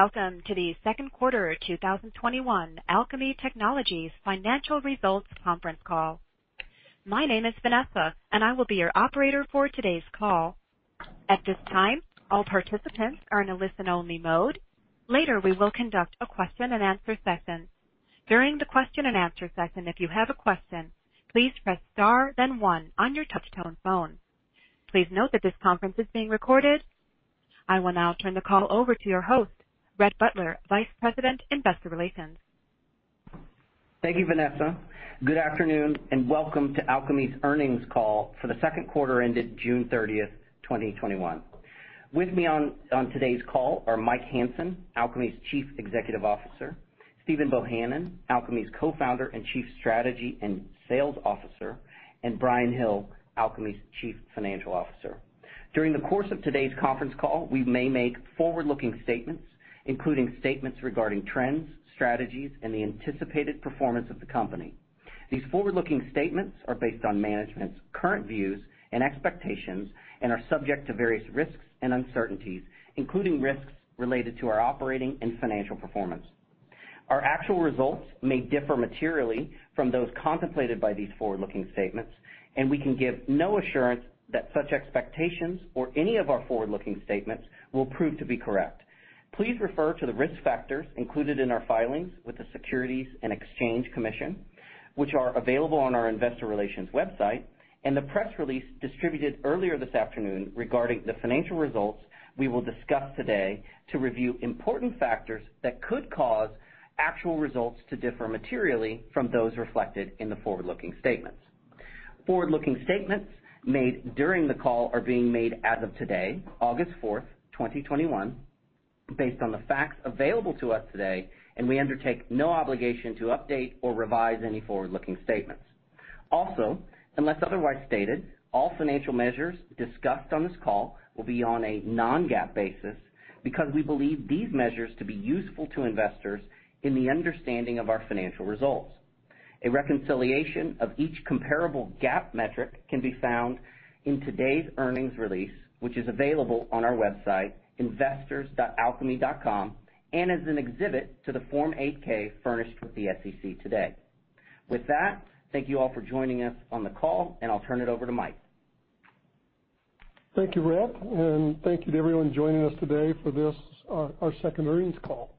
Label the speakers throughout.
Speaker 1: Welcome to the Second Quarter 2021 Alkami Technology Financial Results Conference Call. My name is Vanessa. I will be your operator for today's call. At this time, all participants are in a listen-only mode. Later, we will conduct a question and answer session. During the question and answer session, if you have a question, please press star then one on your touch-tone phone. Please note that this conference is being recorded. I will now turn the call over to your host, Rhett Butler, Vice President, Investor Relations.
Speaker 2: Thank you, Vanessa. Good afternoon, and welcome to Alkami's earnings call for the second quarter ended June 30, 2021. With me on today's call are Mike Hansen, Alkami's Chief Executive Officer, Stephen Bohanon, Alkami's Co-founder and Chief Strategy and Sales Officer, and Bryan Hill, Alkami's Chief Financial Officer. During the course of today's conference call, we may make forward-looking statements, including statements regarding trends, strategies, and the anticipated performance of the company. These forward-looking statements are based on management's current views and expectations and are subject to various risks and uncertainties, including risks related to our operating and financial performance. Our actual results may differ materially from those contemplated by these forward-looking statements, and we can give no assurance that such expectations or any of our forward-looking statements will prove to be correct. Please refer to the risk factors included in our filings with the Securities and Exchange Commission, which are available on our investor relations website, and the press release distributed earlier this afternoon regarding the financial results we will discuss today to review important factors that could cause actual results to differ materially from those reflected in the forward-looking statements. Forward-looking statements made during the call are being made as of today, August 4th, 2021, based on the facts available to us today, we undertake no obligation to update or revise any forward-looking statements. Also, unless otherwise stated, all financial measures discussed on this call will be on a non-GAAP basis because we believe these measures to be useful to investors in the understanding of our financial results. A reconciliation of each comparable GAAP metric can be found in today's earnings release, which is available on our website, investors.alkami.com, and as an exhibit to the Form 8-K furnished with the SEC today. With that, thank you all for joining us on the call, and I'll turn it over to Mike.
Speaker 3: Thank you, Rhett. Thank you to everyone joining us today for our second earnings call.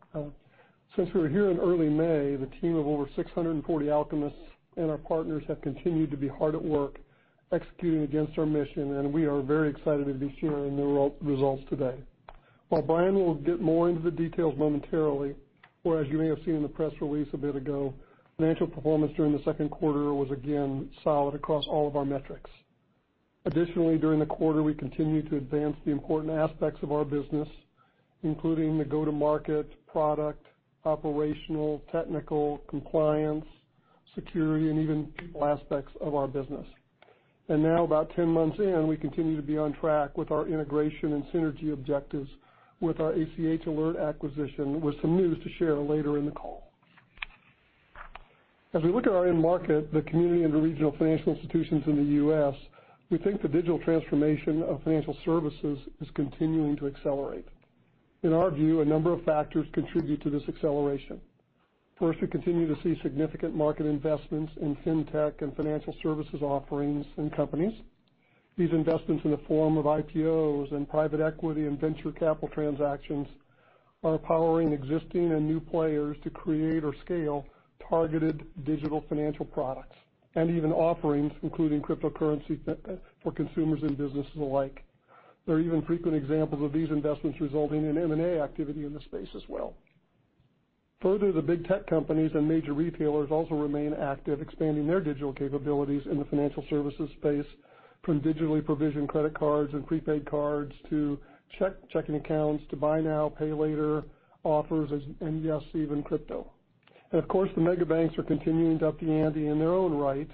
Speaker 3: Since we were here in early May, the team of over 640 Alkamists and our partners have continued to be hard at work executing against our mission, and we are very excited to be sharing the results today. While Bryan will get more into the details momentarily, or as you may have seen in the press release a bit ago, financial performance during the second quarter was again solid across all of our metrics. Additionally, during the quarter, we continued to advance the important aspects of our business, including the go-to-market, product, operational, technical, compliance, security, and even people aspects of our business. Now about 10 months in, we continue to be on track with our integration and synergy objectives with our ACH Alert acquisition, with some news to share later in the call. As we look at our end market, the community and the regional financial institutions in the U.S., we think the digital transformation of financial services is continuing to accelerate. In our view, a number of factors contribute to this acceleration. First, we continue to see significant market investments in fintech and financial services offerings and companies. These investments in the form of IPOs and private equity and venture capital transactions are powering existing and new players to create or scale targeted digital financial products and even offerings, including cryptocurrency for consumers and businesses alike. There are even frequent examples of these investments resulting in M&A activity in this space as well. Further, the big tech companies and major retailers also remain active, expanding their digital capabilities in the financial services space from digitally provisioned credit cards and prepaid cards to checking accounts to buy now, pay later offers, and yes, even crypto. Of course, the mega banks are continuing to up the ante in their own right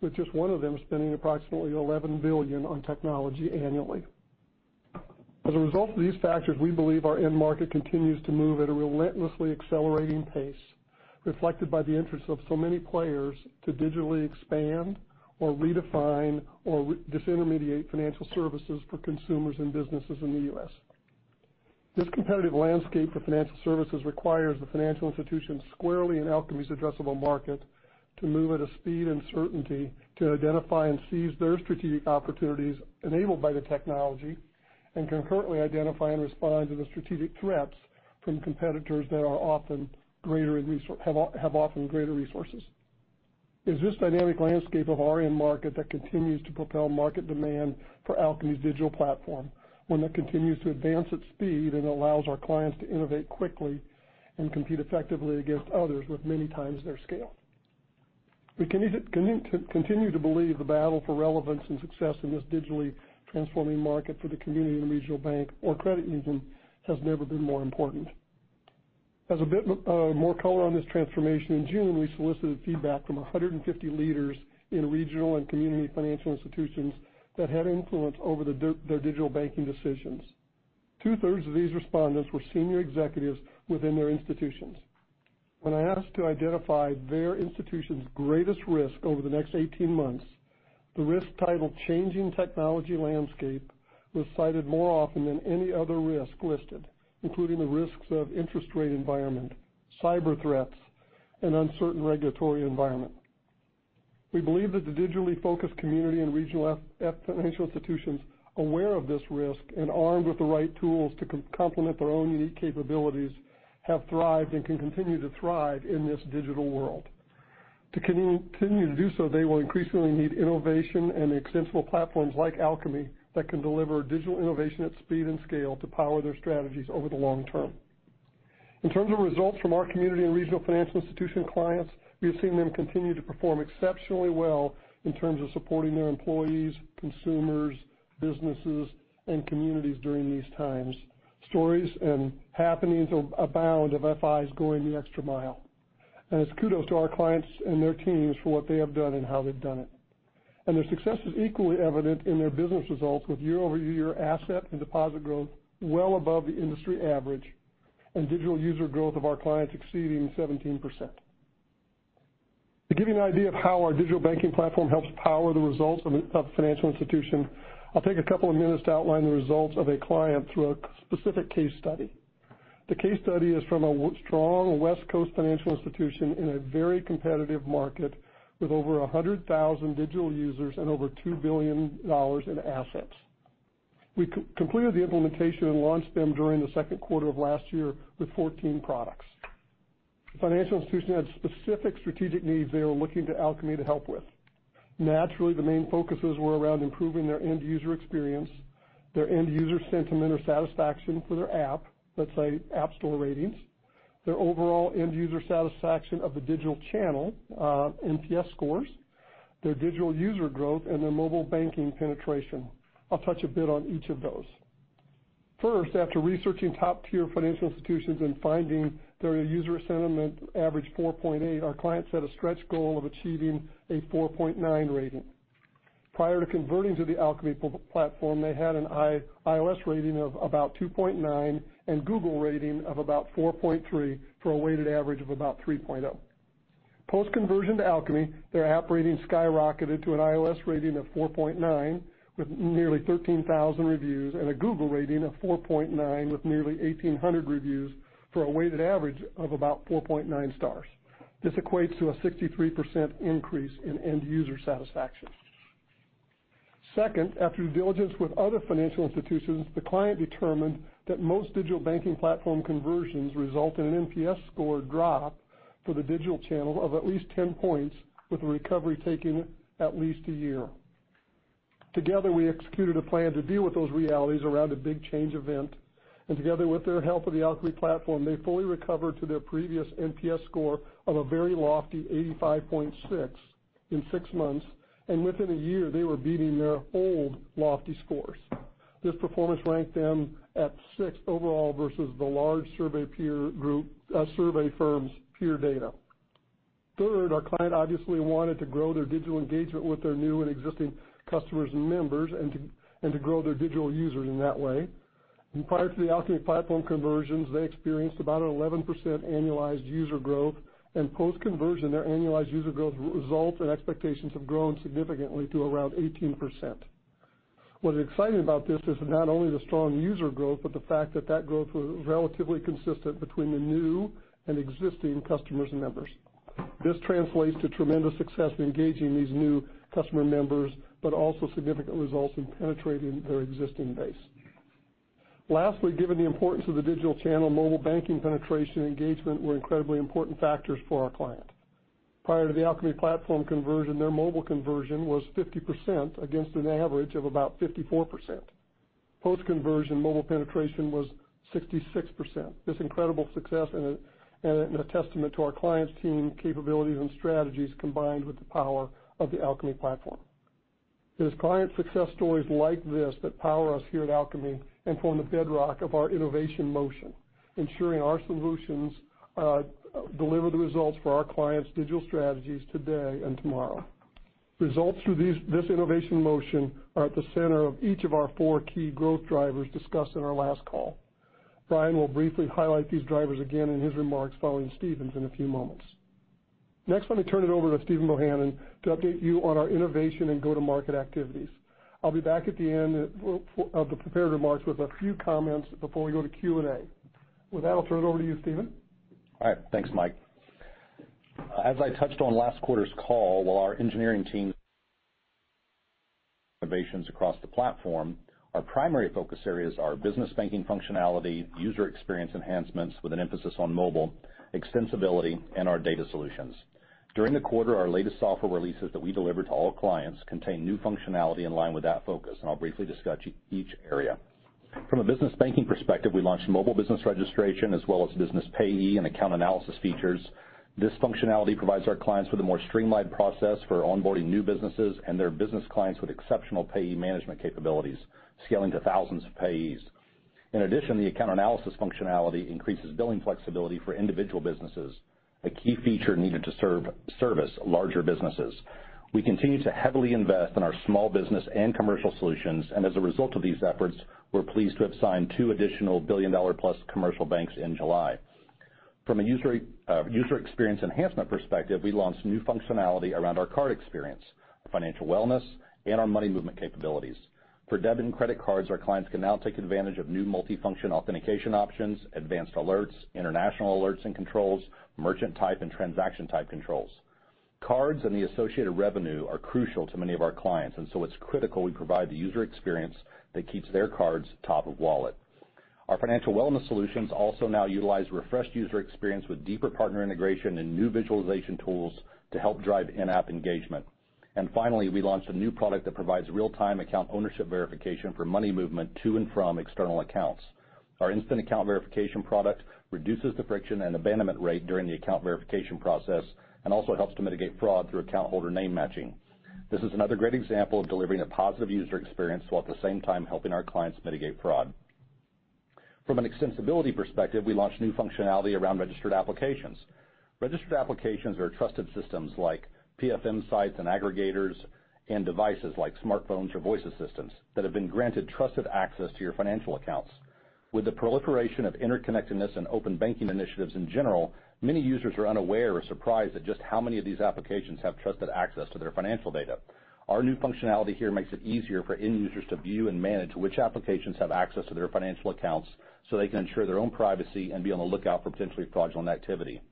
Speaker 3: with just one of them spending approximately $11 billion on technology annually. As a result of these factors, we believe our end market continues to move at a relentlessly accelerating pace, reflected by the interest of so many players to digitally expand or redefine or disintermediate financial services for consumers and businesses in the U.S. This competitive landscape for financial services requires the financial institutions squarely in Alkami's addressable market to move at a speed and certainty to identify and seize their strategic opportunities enabled by the technology and concurrently identify and respond to the strategic threats from competitors that have often greater resources. It's this dynamic landscape of our end market that continues to propel market demand for Alkami's digital platform, one that continues to advance at speed and allows our clients to innovate quickly and compete effectively against others with many times their scale. We continue to believe the battle for relevance and success in this digitally transforming market for the community and regional bank or credit union has never been more important. As a bit more color on this transformation, in June, we solicited feedback from 150 leaders in regional and community financial institutions that had influence over their digital banking decisions. Two-thirds of these respondents were senior executives within their institutions. When asked to identify their institution's greatest risk over the next 18 months, the risk titled changing technology landscape was cited more often than any other risk listed, including the risks of interest rate environment, cyber threats, and uncertain regulatory environment. We believe that the digitally focused community and regional financial institutions aware of this risk and armed with the right tools to complement their own unique capabilities, have thrived and can continue to thrive in this digital world. To continue to do so, they will increasingly need innovation and extensible platforms like Alkami that can deliver digital innovation at speed and scale to power their strategies over the long term. In terms of results from our community and regional financial institution clients, we have seen them continue to perform exceptionally well in terms of supporting their employees, consumers, businesses, and communities during these times. Stories and happenings abound of FIs going the extra mile, and it's kudos to our clients and their teams for what they have done and how they've done it. Their success is equally evident in their business results with year-over-year asset and deposit growth well above the industry average, and digital user growth of our clients exceeding 17%. To give you an idea of how our digital banking platform helps power the results of a financial institution, I'll take a couple of minutes to outline the results of a client through a specific case study. The case study is from a strong West Coast financial institution in a very competitive market with over 100,000 digital users and over $2 billion in assets. We completed the implementation and launched them during the second quarter of last year with 14 products. The financial institution had specific strategic needs they were looking to Alkami to help with. Naturally, the main focuses were around improving their end-user experience, their end-user sentiment or satisfaction for their app, let's say app store ratings, their overall end-user satisfaction of the digital channel, NPS scores, their digital user growth, and their mobile banking penetration. I'll touch a bit on each of those. First, after researching top-tier financial institutions and finding their user sentiment averaged 4.8, our client set a stretch goal of achieving a 4.9 rating. Prior to converting to the Alkami platform, they had an iOS rating of about 2.9 and Google rating of about 4.3 for a weighted average of about 3.0. Post-conversion to Alkami, their app rating skyrocketed to an iOS rating of 4.9 with nearly 13,000 reviews and a Google rating of 4.9 with nearly 1,800 reviews for a weighted average of about 4.9 stars. This equates to a 63% increase in end-user satisfaction. Second, after due diligence with other financial institutions, the client determined that most digital banking platform conversions result in an NPS score drop for the digital channel of at least 10 points, with a recovery taking at least one year. Together, we executed a plan to deal with those realities around a big change event, and together with their help of the Alkami platform, they fully recovered to their previous NPS score of a very lofty 85.6 in 6 months, and within a year, they were beating their old lofty scores. This performance ranked them at 6 overall versus the large survey firm's peer data. Third, our client obviously wanted to grow their digital engagement with their new and existing customers and members and to grow their digital users in that way. Prior to the Alkami platform conversions, they experienced about an 11% annualized user growth, and post-conversion, their annualized user growth results and expectations have grown significantly to around 18%. What is exciting about this is not only the strong user growth, but the fact that that growth was relatively consistent between the new and existing customers and members. This translates to tremendous success in engaging these new customer members, but also significant results in penetrating their existing base. Given the importance of the digital channel, mobile banking penetration and engagement were incredibly important factors for our client. Prior to the Alkami platform conversion, their mobile conversion was 50% against an average of about 54%. Post-conversion, mobile penetration was 66%. This incredible success and a testament to our client's team capabilities and strategies, combined with the power of the Alkami platform. It is client success stories like this that power us here at Alkami and form the bedrock of our innovation motion, ensuring our solutions deliver the results for our clients' digital strategies today and tomorrow. Results through this innovation motion are at the center of each of our four key growth drivers discussed in our last call. Bryan will briefly highlight these drivers again in his remarks following Stephen's in a few moments. Next, let me turn it over to Stephen Bohanon to update you on our innovation and go-to-market activities. I'll be back at the end of the prepared remarks with a few comments before we go to Q&A. With that, I'll turn it over to you, Stephen.
Speaker 4: All right. Thanks, Mike. As I touched on last quarter's call, innovations across the platform, our primary focus areas are business banking functionality, user experience enhancements with an emphasis on mobile, extensibility, and our data solutions. During the quarter, our latest software releases that we delivered to all clients contain new functionality in line with that focus, and I'll briefly discuss each area. From a business banking perspective, we launched mobile business registration as well as business payee and account analysis features. This functionality provides our clients with a more streamlined process for onboarding new businesses and their business clients with exceptional payee management capabilities, scaling to thousands of payees. In addition, the account analysis functionality increases billing flexibility for individual businesses, a key feature needed to service larger businesses. We continue to heavily invest in our small business and commercial solutions. As a result of these efforts, we're pleased to have signed 2 additional billion-dollar-plus commercial banks in July. From a user experience enhancement perspective, we launched new functionality around our card experience, financial wellness, and our money movement capabilities. For debit and credit cards, our clients can now take advantage of new multifunction authentication options, advanced alerts, international alerts and controls, merchant type and transaction type controls. Cards and the associated revenue are crucial to many of our clients. It's critical we provide the user experience that keeps their cards top of wallet. Our financial wellness solutions also now utilize refreshed user experience with deeper partner integration and new visualization tools to help drive in-app engagement. Finally, we launched a new product that provides real-time account ownership verification for money movement to and from external accounts. Our Instant Account Verification product reduces the friction and abandonment rate during the account verification process and also helps to mitigate fraud through account holder name matching. This is another great example of delivering a positive user experience while at the same time helping our clients mitigate fraud. From an extensibility perspective, we launched new functionality around registered applications. Registered applications are trusted systems like PFM sites and aggregators and devices like smartphones or voice assistants that have been granted trusted access to your financial accounts. With the proliferation of interconnectedness and open banking initiatives in general, many users are unaware or surprised at just how many of these applications have trusted access to their financial data. Our new functionality here makes it easier for end users to view and manage which applications have access to their financial accounts so they can ensure their own privacy and be on the lookout for potentially fraudulent activity.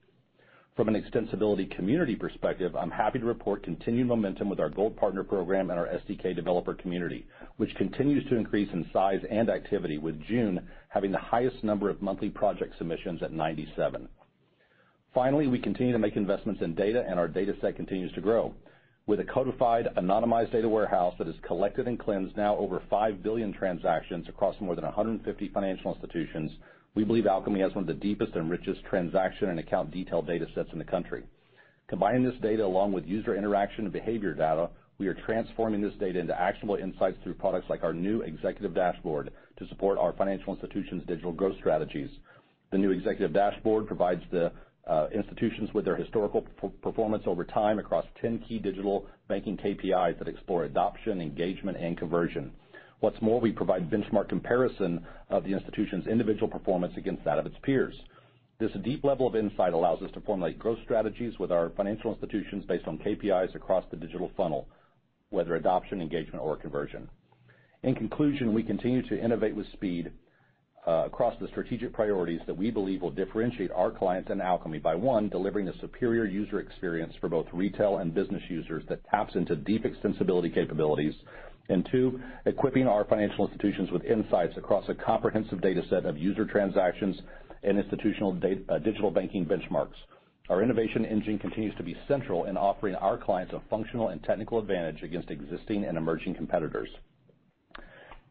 Speaker 4: From an extensibility community perspective, I'm happy to report continued momentum with our gold partner program and our SDK developer community, which continues to increase in size and activity, with June having the highest number of monthly project submissions at 97. Finally, we continue to make investments in data, and our data set continues to grow. With a codified, anonymized data warehouse that has collected and cleansed now over 5 billion transactions across more than 150 financial institutions, we believe Alkami has one of the deepest and richest transaction and account detail data sets in the country. Combining this data along with user interaction and behavior data, we are transforming this data into actionable insights through products like our new executive dashboard to support our financial institutions' digital growth strategies. The new executive dashboard provides the institutions with their historical performance over time across 10 key digital banking KPIs that explore adoption, engagement, and conversion. What's more, we provide benchmark comparison of the institution's individual performance against that of its peers. This deep level of insight allows us to formulate growth strategies with our financial institutions based on KPIs across the digital funnel, whether adoption, engagement, or conversion. In conclusion, we continue to innovate with speed across the strategic priorities that we believe will differentiate our clients and Alkami by, one, delivering a superior user experience for both retail and business users that taps into deep extensibility capabilities, and two, equipping our financial institutions with insights across a comprehensive data set of user transactions and institutional digital banking benchmarks. Our innovation engine continues to be central in offering our clients a functional and technical advantage against existing and emerging competitors.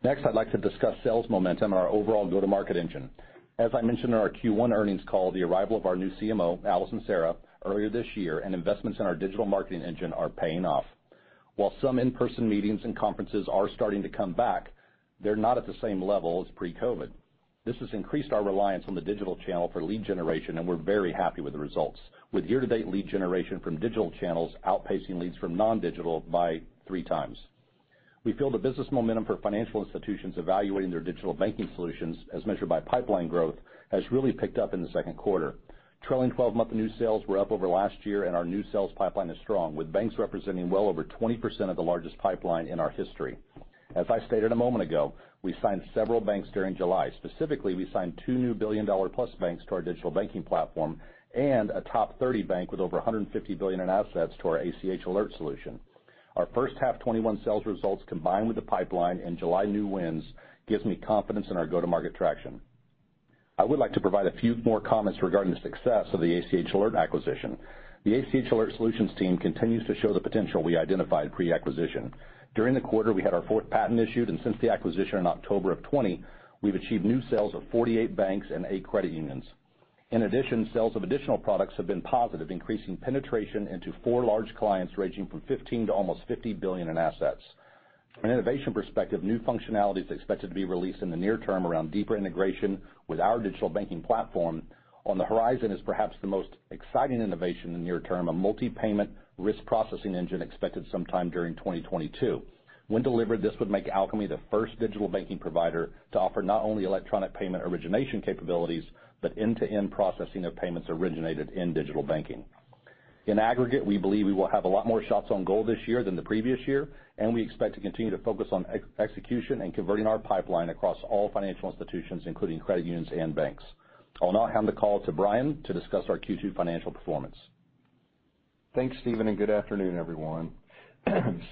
Speaker 4: Next, I'd like to discuss sales momentum and our overall go-to-market engine. As I mentioned in our Q1 earnings call, the arrival of our new CMO, Allison Cerra, earlier this year, and investments in our digital marketing engine are paying off. While some in-person meetings and conferences are starting to come back, they're not at the same level as pre-COVID-19. This has increased our reliance on the digital channel for lead generation, and we're very happy with the results, with year-to-date lead generation from digital channels outpacing leads from non-digital by 3x. We feel the business momentum for financial institutions evaluating their digital banking solutions, as measured by pipeline growth, has really picked up in the second quarter. Trailing 12-month new sales were up over last year, and our new sales pipeline is strong, with banks representing well over 20% of the largest pipeline in our history. As I stated a moment ago, we signed several banks during July. Specifically, we signed two new billion-dollar-plus banks to our digital banking platform and a top 30 bank with over $150 billion in assets to our ACH Alert solution. Our first half 2021 sales results, combined with the pipeline and July new wins, gives me confidence in our go-to-market traction. I would like to provide a few more comments regarding the success of the ACH Alert acquisition. The ACH Alert Solutions team continues to show the potential we identified pre-acquisition. During the quarter, we had our fourth patent issued, and since the acquisition in October of 2020, we've achieved new sales of 48 banks and eight credit unions. In addition, sales of additional products have been positive, increasing penetration into four large clients ranging from $15 billion to almost $50 billion in assets. From an innovation perspective, new functionality is expected to be released in the near term around deeper integration with our digital banking platform. On the horizon is perhaps the most exciting innovation in the near term, a multi-payment risk processing engine expected sometime during 2022. When delivered, this would make Alkami the first digital banking provider to offer not only electronic payment origination capabilities but end-to-end processing of payments originated in digital banking. In aggregate, we believe we will have a lot more shots on goal this year than the previous year, and we expect to continue to focus on execution and converting our pipeline across all financial institutions, including credit unions and banks. I'll now hand the call to Bryan to discuss our Q2 financial performance.
Speaker 5: Thanks, Stephen, good afternoon, everyone.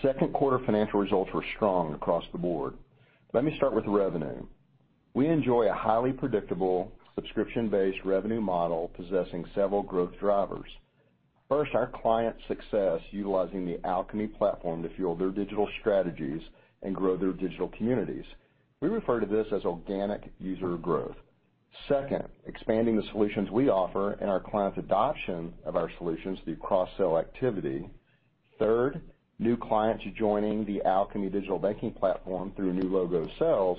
Speaker 5: Second quarter financial results were strong across the board. Let me start with revenue. We enjoy a highly predictable subscription-based revenue model possessing several growth drivers. First, our clients' success utilizing the Alkami platform to fuel their digital strategies and grow their digital communities. We refer to this as organic user growth. Second, expanding the solutions we offer and our clients' adoption of our solutions through cross-sell activity. Third, new clients joining the Alkami digital banking platform through new logo sales,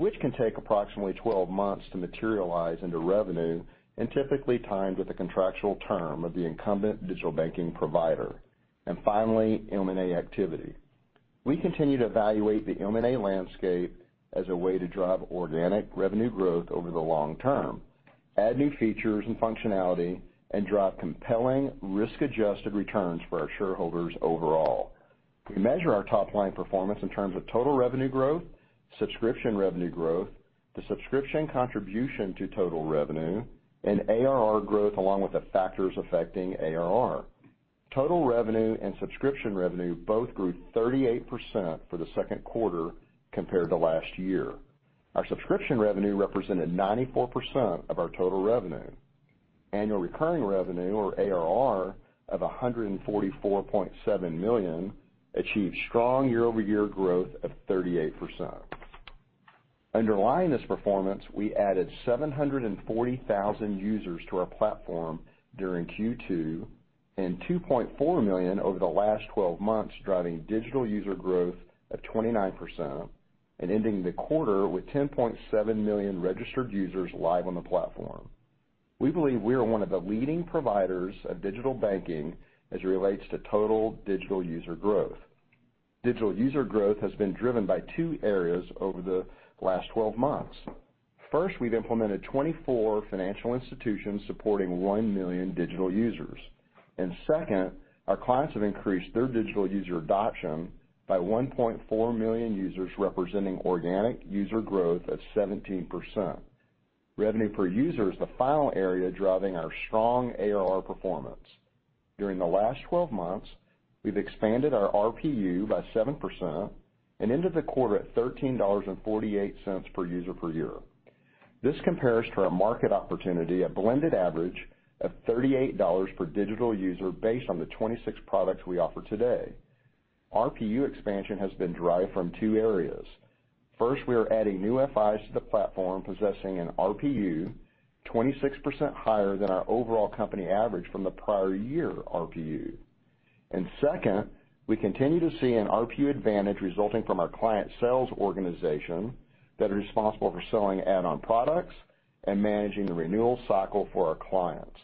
Speaker 5: which can take approximately 12 months to materialize into revenue and typically timed with the contractual term of the incumbent digital banking provider. Finally, M&A activity. We continue to evaluate the M&A landscape as a way to drive organic revenue growth over the long term, add new features and functionality, and drive compelling risk-adjusted returns for our shareholders overall. We measure our top-line performance in terms of total revenue growth, subscription revenue growth, the subscription contribution to total revenue, and ARR growth, along with the factors affecting ARR. Total revenue and subscription revenue both grew 38% for the second quarter compared to last year. Our subscription revenue represented 94% of our total revenue. Annual recurring revenue, or ARR, of $144.7 million, achieved strong year-over-year growth of 38%. Underlying this performance, we added 740,000 users to our platform during Q2, and 2.4 million over the last 12 months, driving digital user growth of 29%, and ending the quarter with 10.7 million registered users live on the platform. We believe we are one of the leading providers of digital banking as it relates to total digital user growth. Digital user growth has been driven by two areas over the last 12 months. First, we've implemented 24 financial institutions supporting 1 million digital users. Second, our clients have increased their digital user adoption by 1.4 million users, representing organic user growth of 17%. Revenue per user is the final area driving our strong ARR performance. During the last 12 months, we've expanded our ARPU by 7% and ended the quarter at $13.48 per user per year. This compares to our market opportunity, a blended average of $38 per digital user based on the 26 products we offer today. ARPU expansion has been derived from two areas. First, we are adding new FIs to the platform possessing an ARPU 26% higher than our overall company average from the prior year ARPU. Second, we continue to see an ARPU advantage resulting from our client sales organization that is responsible for selling add-on products and managing the renewal cycle for our clients.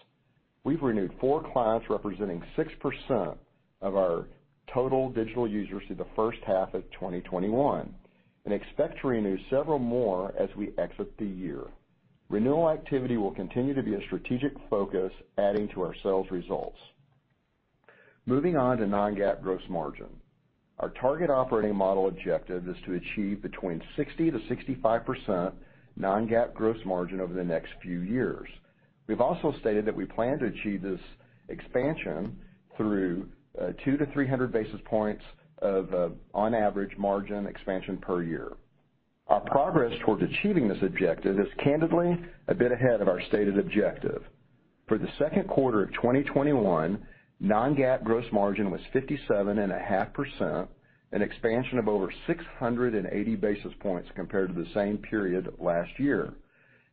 Speaker 5: We've renewed four clients representing 6% of our total digital users through the first half of 2021 and expect to renew several more as we exit the year. Renewal activity will continue to be a strategic focus, adding to our sales results. Moving on to non-GAAP gross margin. Our target operating model objective is to achieve between 60%-65% non-GAAP gross margin over the next few years. We've also stated that we plan to achieve this expansion through 200-300 basis points of on-average margin expansion per year. Our progress towards achieving this objective is candidly a bit ahead of our stated objective. For the second quarter of 2021, non-GAAP gross margin was 57.5%, an expansion of over 680 basis points compared to the same period last year.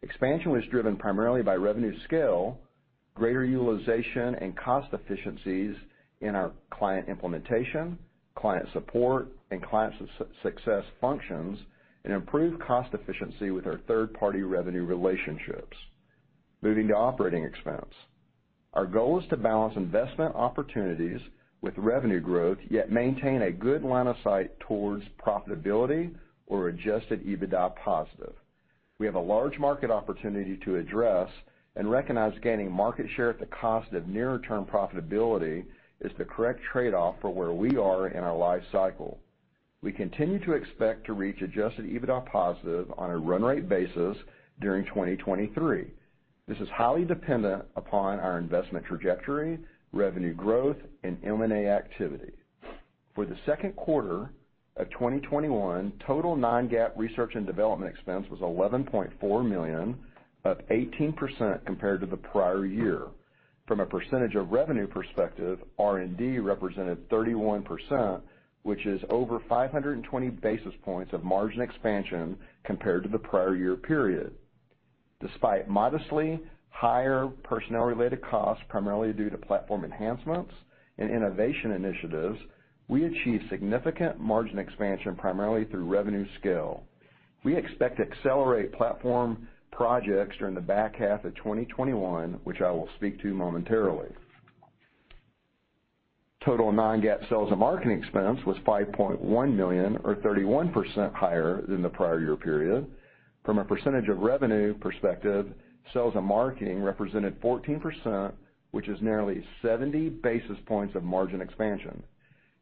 Speaker 5: Expansion was driven primarily by revenue scale, greater utilization and cost efficiencies in our client implementation, client support, and client success functions, and improved cost efficiency with our third-party revenue relationships. Moving to operating expense. Our goal is to balance investment opportunities with revenue growth, yet maintain a good line of sight towards profitability or adjusted EBITDA positive. We have a large market opportunity to address and recognize gaining market share at the cost of nearer-term profitability is the correct trade-off for where we are in our life cycle. We continue to expect to reach adjusted EBITDA positive on a run-rate basis during 2023. This is highly dependent upon our investment trajectory, revenue growth, and M&A activity. For the second quarter of 2021, total non-GAAP research and development expense was $11.4 million, up 18% compared to the prior year. From a % of revenue perspective, R&D represented 31%, which is over 520 basis points of margin expansion compared to the prior year period. Despite modestly higher personnel-related costs, primarily due to platform enhancements and innovation initiatives, we achieved significant margin expansion primarily through revenue scale. We expect to accelerate platform projects during the back half of 2021, which I will speak to momentarily. Total non-GAAP sales and marketing expense was $5.1 million, or 31% higher than the prior year period. From a percentage of revenue perspective, sales and marketing represented 14%, which is nearly 70 basis points of margin expansion.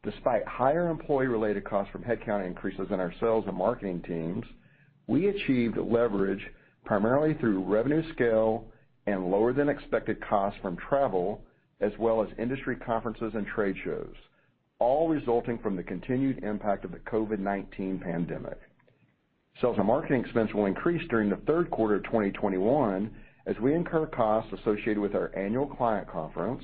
Speaker 5: Despite higher employee-related costs from head count increases in our sales and marketing teams, we achieved leverage primarily through revenue scale and lower-than-expected costs from travel as well as industry conferences and trade shows, all resulting from the continued impact of the COVID-19 pandemic. Sales and marketing expense will increase during the third quarter of 2021 as we incur costs associated with our annual client conference.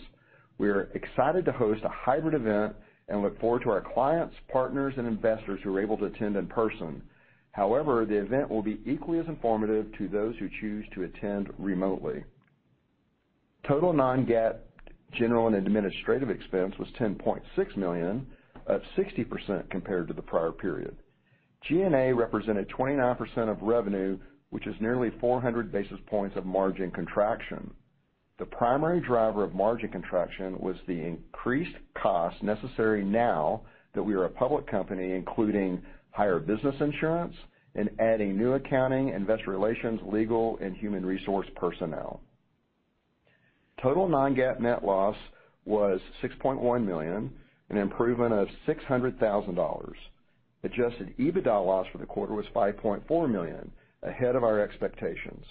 Speaker 5: We are excited to host a hybrid event and look forward to our clients, partners, and investors who are able to attend in person. However, the event will be equally as informative to those who choose to attend remotely. Total non-GAAP general and administrative expense was $10.6 million, up 60% compared to the prior period. G&A represented 29% of revenue, which is nearly 400 basis points of margin contraction. The primary driver of margin contraction was the increased cost necessary now that we are a public company, including higher business insurance and adding new accounting, investor relations, legal, and human resource personnel. Total non-GAAP net loss was $6.1 million, an improvement of $600,000. Adjusted EBITDA loss for the quarter was $5.4 million, ahead of our expectations.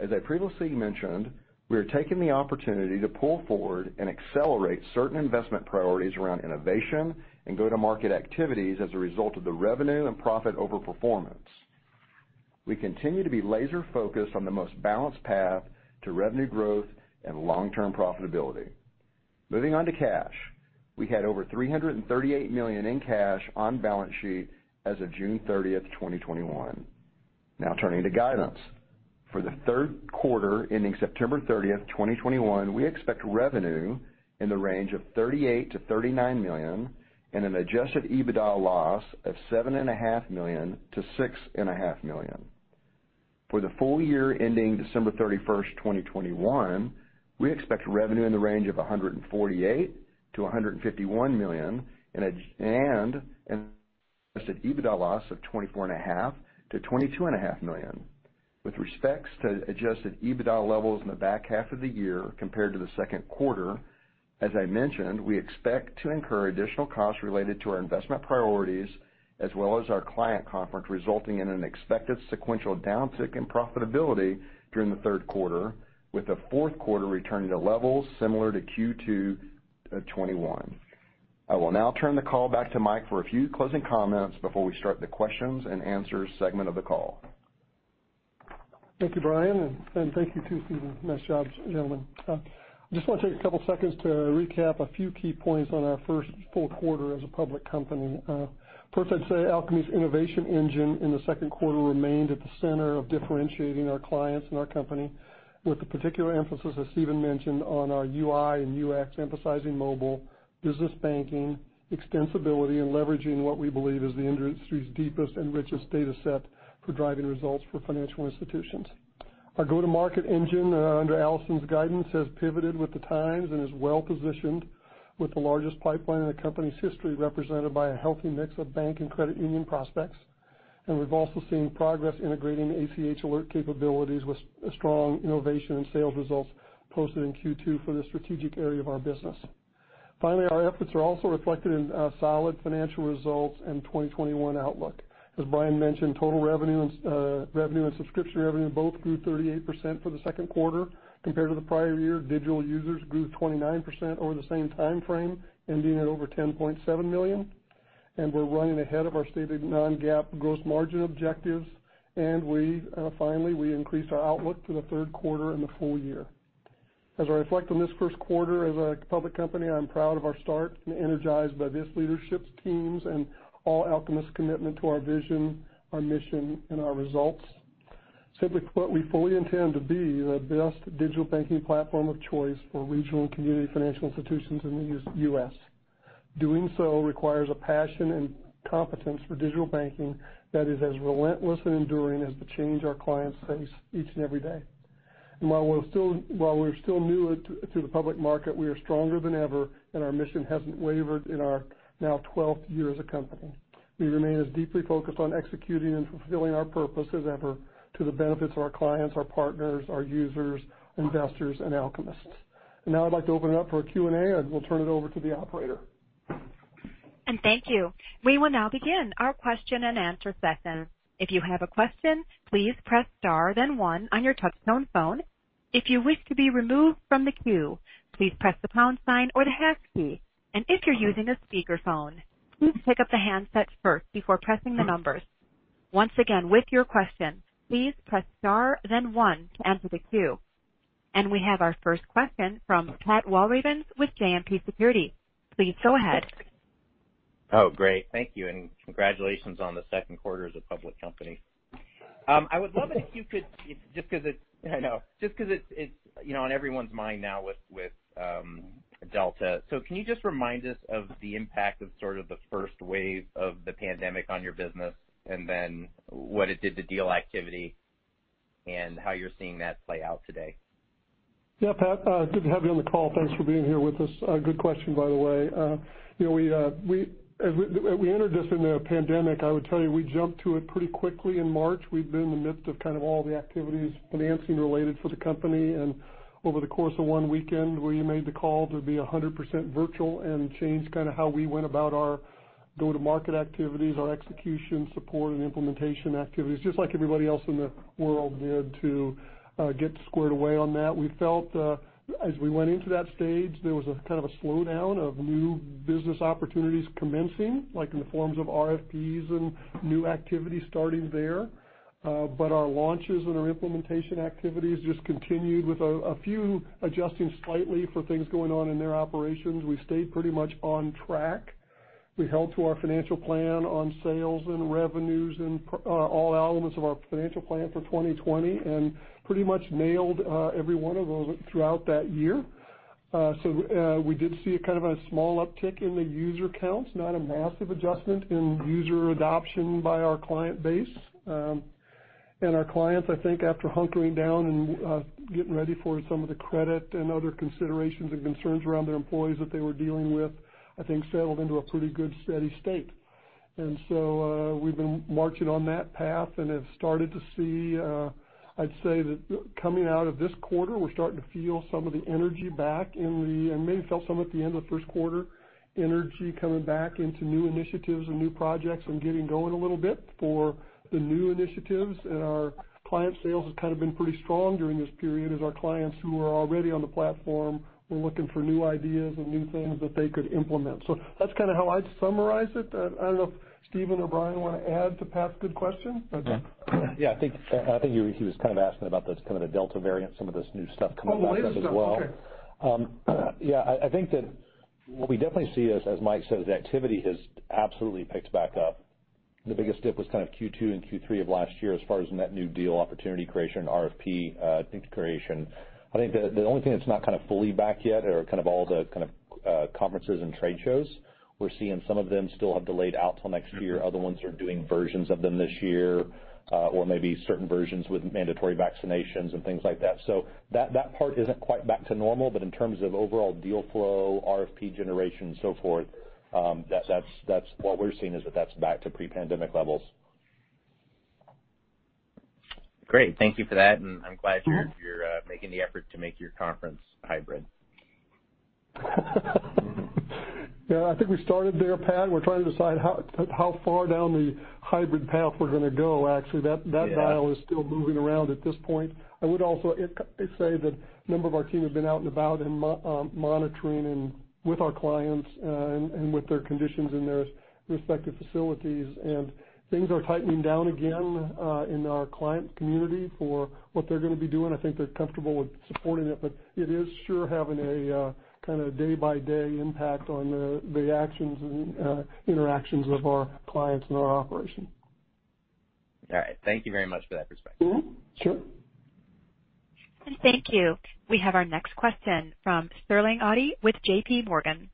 Speaker 5: As I previously mentioned, we are taking the opportunity to pull forward and accelerate certain investment priorities around innovation and go-to-market activities as a result of the revenue and profit over performance. We continue to be laser-focused on the most balanced path to revenue growth and long-term profitability. Moving on to cash. We had over $338 million in cash on balance sheet as of June 30th, 2021. Now turning to guidance. For the third quarter ending September 30th, 2021, we expect revenue in the range of $38 million-$39 million and an Adjusted EBITDA loss of $7.5 million-$6.5 million. For the full year ending December 31st, 2021, we expect revenue in the range of $148 million-$151 million and an Adjusted EBITDA loss of $24.5 million-$22.5 million. With respects to Adjusted EBITDA levels in the back half of the year compared to the second quarter, as I mentioned, we expect to incur additional costs related to our investment priorities as well as our client conference, resulting in an expected sequential downtick in profitability during the third quarter with the fourth quarter returning to levels similar to Q2 2021. I will now turn the call back to Mike for a few closing comments before we start the questions and answers segment of the call.
Speaker 3: Thank you, Bryan, and thank you too, Stephen. Nice jobs, gentlemen. I just want to take a couple seconds to recap a few key points on our first full quarter as a public company. First, I'd say Alkami's innovation engine in the second quarter remained at the center of differentiating our clients and our company with the particular emphasis, as Stephen mentioned, on our UI and UX, emphasizing mobile, business banking, extensibility, and leveraging what we believe is the industry's deepest and richest data set for driving results for financial institutions. Our go-to-market engine under Allison's guidance has pivoted with the times and is well-positioned with the largest pipeline in the company's history, represented by a healthy mix of bank and credit union prospects. We've also seen progress integrating ACH Alert capabilities with strong innovation and sales results posted in Q2 for this strategic area of our business. Our efforts are also reflected in solid financial results and 2021 outlook. As Bryan mentioned, total revenue and subscription revenue both grew 38% for the second quarter compared to the prior year. Digital users grew 29% over the same timeframe, ending at over 10.7 million, and we're running ahead of our stated non-GAAP gross margin objectives. Finally, we increased our outlook for the third quarter and the full year. As I reflect on this first quarter as a public company, I'm proud of our start and energized by this leadership teams and all Alkamists' commitment to our vision, our mission, and our results. Simply put, we fully intend to be the best digital banking platform of choice for regional and community financial institutions in the U.S. Doing so requires a passion and competence for digital banking that is as relentless and enduring as the change our clients face each and every day. While we're still new to the public market, we are stronger than ever, and our mission hasn't wavered in our now 12th year as a company. We remain as deeply focused on executing and fulfilling our purpose as ever to the benefits of our clients, our partners, our users, investors, and Alkamists. I'd like to open it up for Q&A, and we'll turn it over to the operator.
Speaker 1: Thank you. We will now begin our question and answer session. If you have a question, please press star then one on your touchtone phone. If you wish to be removed from the queue, please press the pound sign or the hash key. If you're using a speakerphone, please pick up the handset first before pressing the numbers. Once again, with your question, please press star then one to enter the queue. We have our first question from Pat Walravens with JMP Securities. Please go ahead.
Speaker 6: Oh, great. Thank you, and congratulations on the second quarter as a public company. I would love it if you could, just because it's on everyone's mind now with Delta. Can you just remind us of the impact of sort of the first wave of the pandemic on your business and then what it did to deal activity and how you're seeing that play out today?
Speaker 3: Yeah, Pat, good to have you on the call. Thanks for being here with us. Good question, by the way. We entered this in a pandemic. I would tell you, we jumped to it pretty quickly in March. We'd been in the midst of all the activities, financing-related for the company. Over the course of one weekend, we made the call to be 100% virtual and change how we went about our go-to-market activities, our execution support, and implementation activities, just like everybody else in the world did to get squared away on that. We felt as we went into that stage, there was a kind of a slowdown of new business opportunities commencing, like in the forms of RFPs and new activities starting there. Our launches and our implementation activities just continued with a few adjusting slightly for things going on in their operations. We stayed pretty much on track. We held to our financial plan on sales and revenues and all elements of our financial plan for 2020 and pretty much nailed every one of those throughout that year. We did see a small uptick in the user counts, not a massive adjustment in user adoption by our client base. Our clients, I think, after hunkering down and getting ready for some of the credit and other considerations and concerns around their employees that they were dealing with, I think settled into a pretty good, steady state. We've been marching on that path and have started to see. I'd say that coming out of this quarter, we're starting to feel some of the energy. I maybe felt some at the end of the first quarter. Energy coming back into new initiatives and new projects and getting going a little bit for the new initiatives. Our client sales has been pretty strong during this period as our clients who are already on the platform were looking for new ideas and new things that they could implement. That's how I'd summarize it. I don't know if Stephen or Bryan want to add to Pat's good question.
Speaker 5: I think he was asking about this Delta variant, some of this new stuff coming back up as well.
Speaker 3: Oh, the latest stuff. Okay.
Speaker 5: Yeah, I think that what we definitely see is, as Mike says, activity has absolutely picked back up. The biggest dip was Q2 and Q3 of last year as far as net new deal opportunity creation, RFP creation. I think the only thing that's not fully back yet are all the conferences and trade shows. We're seeing some of them still have delayed out till next year. Other ones are doing versions of them this year, or maybe certain versions with mandatory vaccinations and things like that. That part isn't quite back to normal. In terms of overall deal flow, RFP generation, and so forth, what we're seeing is that that's back to pre-pandemic levels.
Speaker 6: Great. Thank you for that, and I'm glad you're making the effort to make your conference hybrid.
Speaker 3: Yeah, I think we started there, Pat Walravens. We're trying to decide how far down the hybrid path we're going to go, actually.
Speaker 6: Yeah.
Speaker 3: That dial is still moving around at this point. I would also say that a number of our team have been out and about and monitoring with our clients and with their conditions in their respective facilities. Things are tightening down again in our client community for what they're going to be doing. I think they're comfortable with supporting it, but it is sure having a day-by-day impact on the actions and interactions of our clients and our operation.
Speaker 6: All right. Thank you very much for that perspective.
Speaker 3: Mm-hmm. Sure.
Speaker 1: Thank you. We have our next question from Sterling Auty with JPMorgan.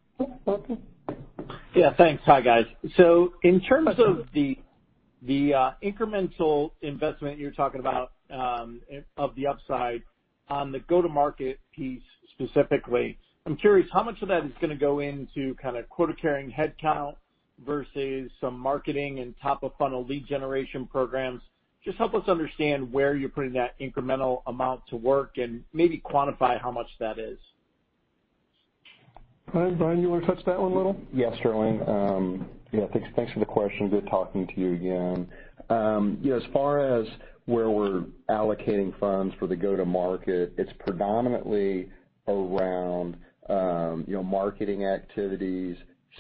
Speaker 7: Yeah, thanks. Hi, guys. In terms of the incremental investment you're talking about of the upside on the go-to-market piece specifically, I'm curious how much of that is going to go into quota-carrying headcount versus some marketing and top-of-funnel lead generation programs? Just help us understand where you're putting that incremental amount to work and maybe quantify how much that is.
Speaker 3: Bryan, you want to touch that one a little?
Speaker 5: Sterling. Thanks for the question. Good talking to you again. As far as where we're allocating funds for the go-to-market, it's predominantly around marketing activities,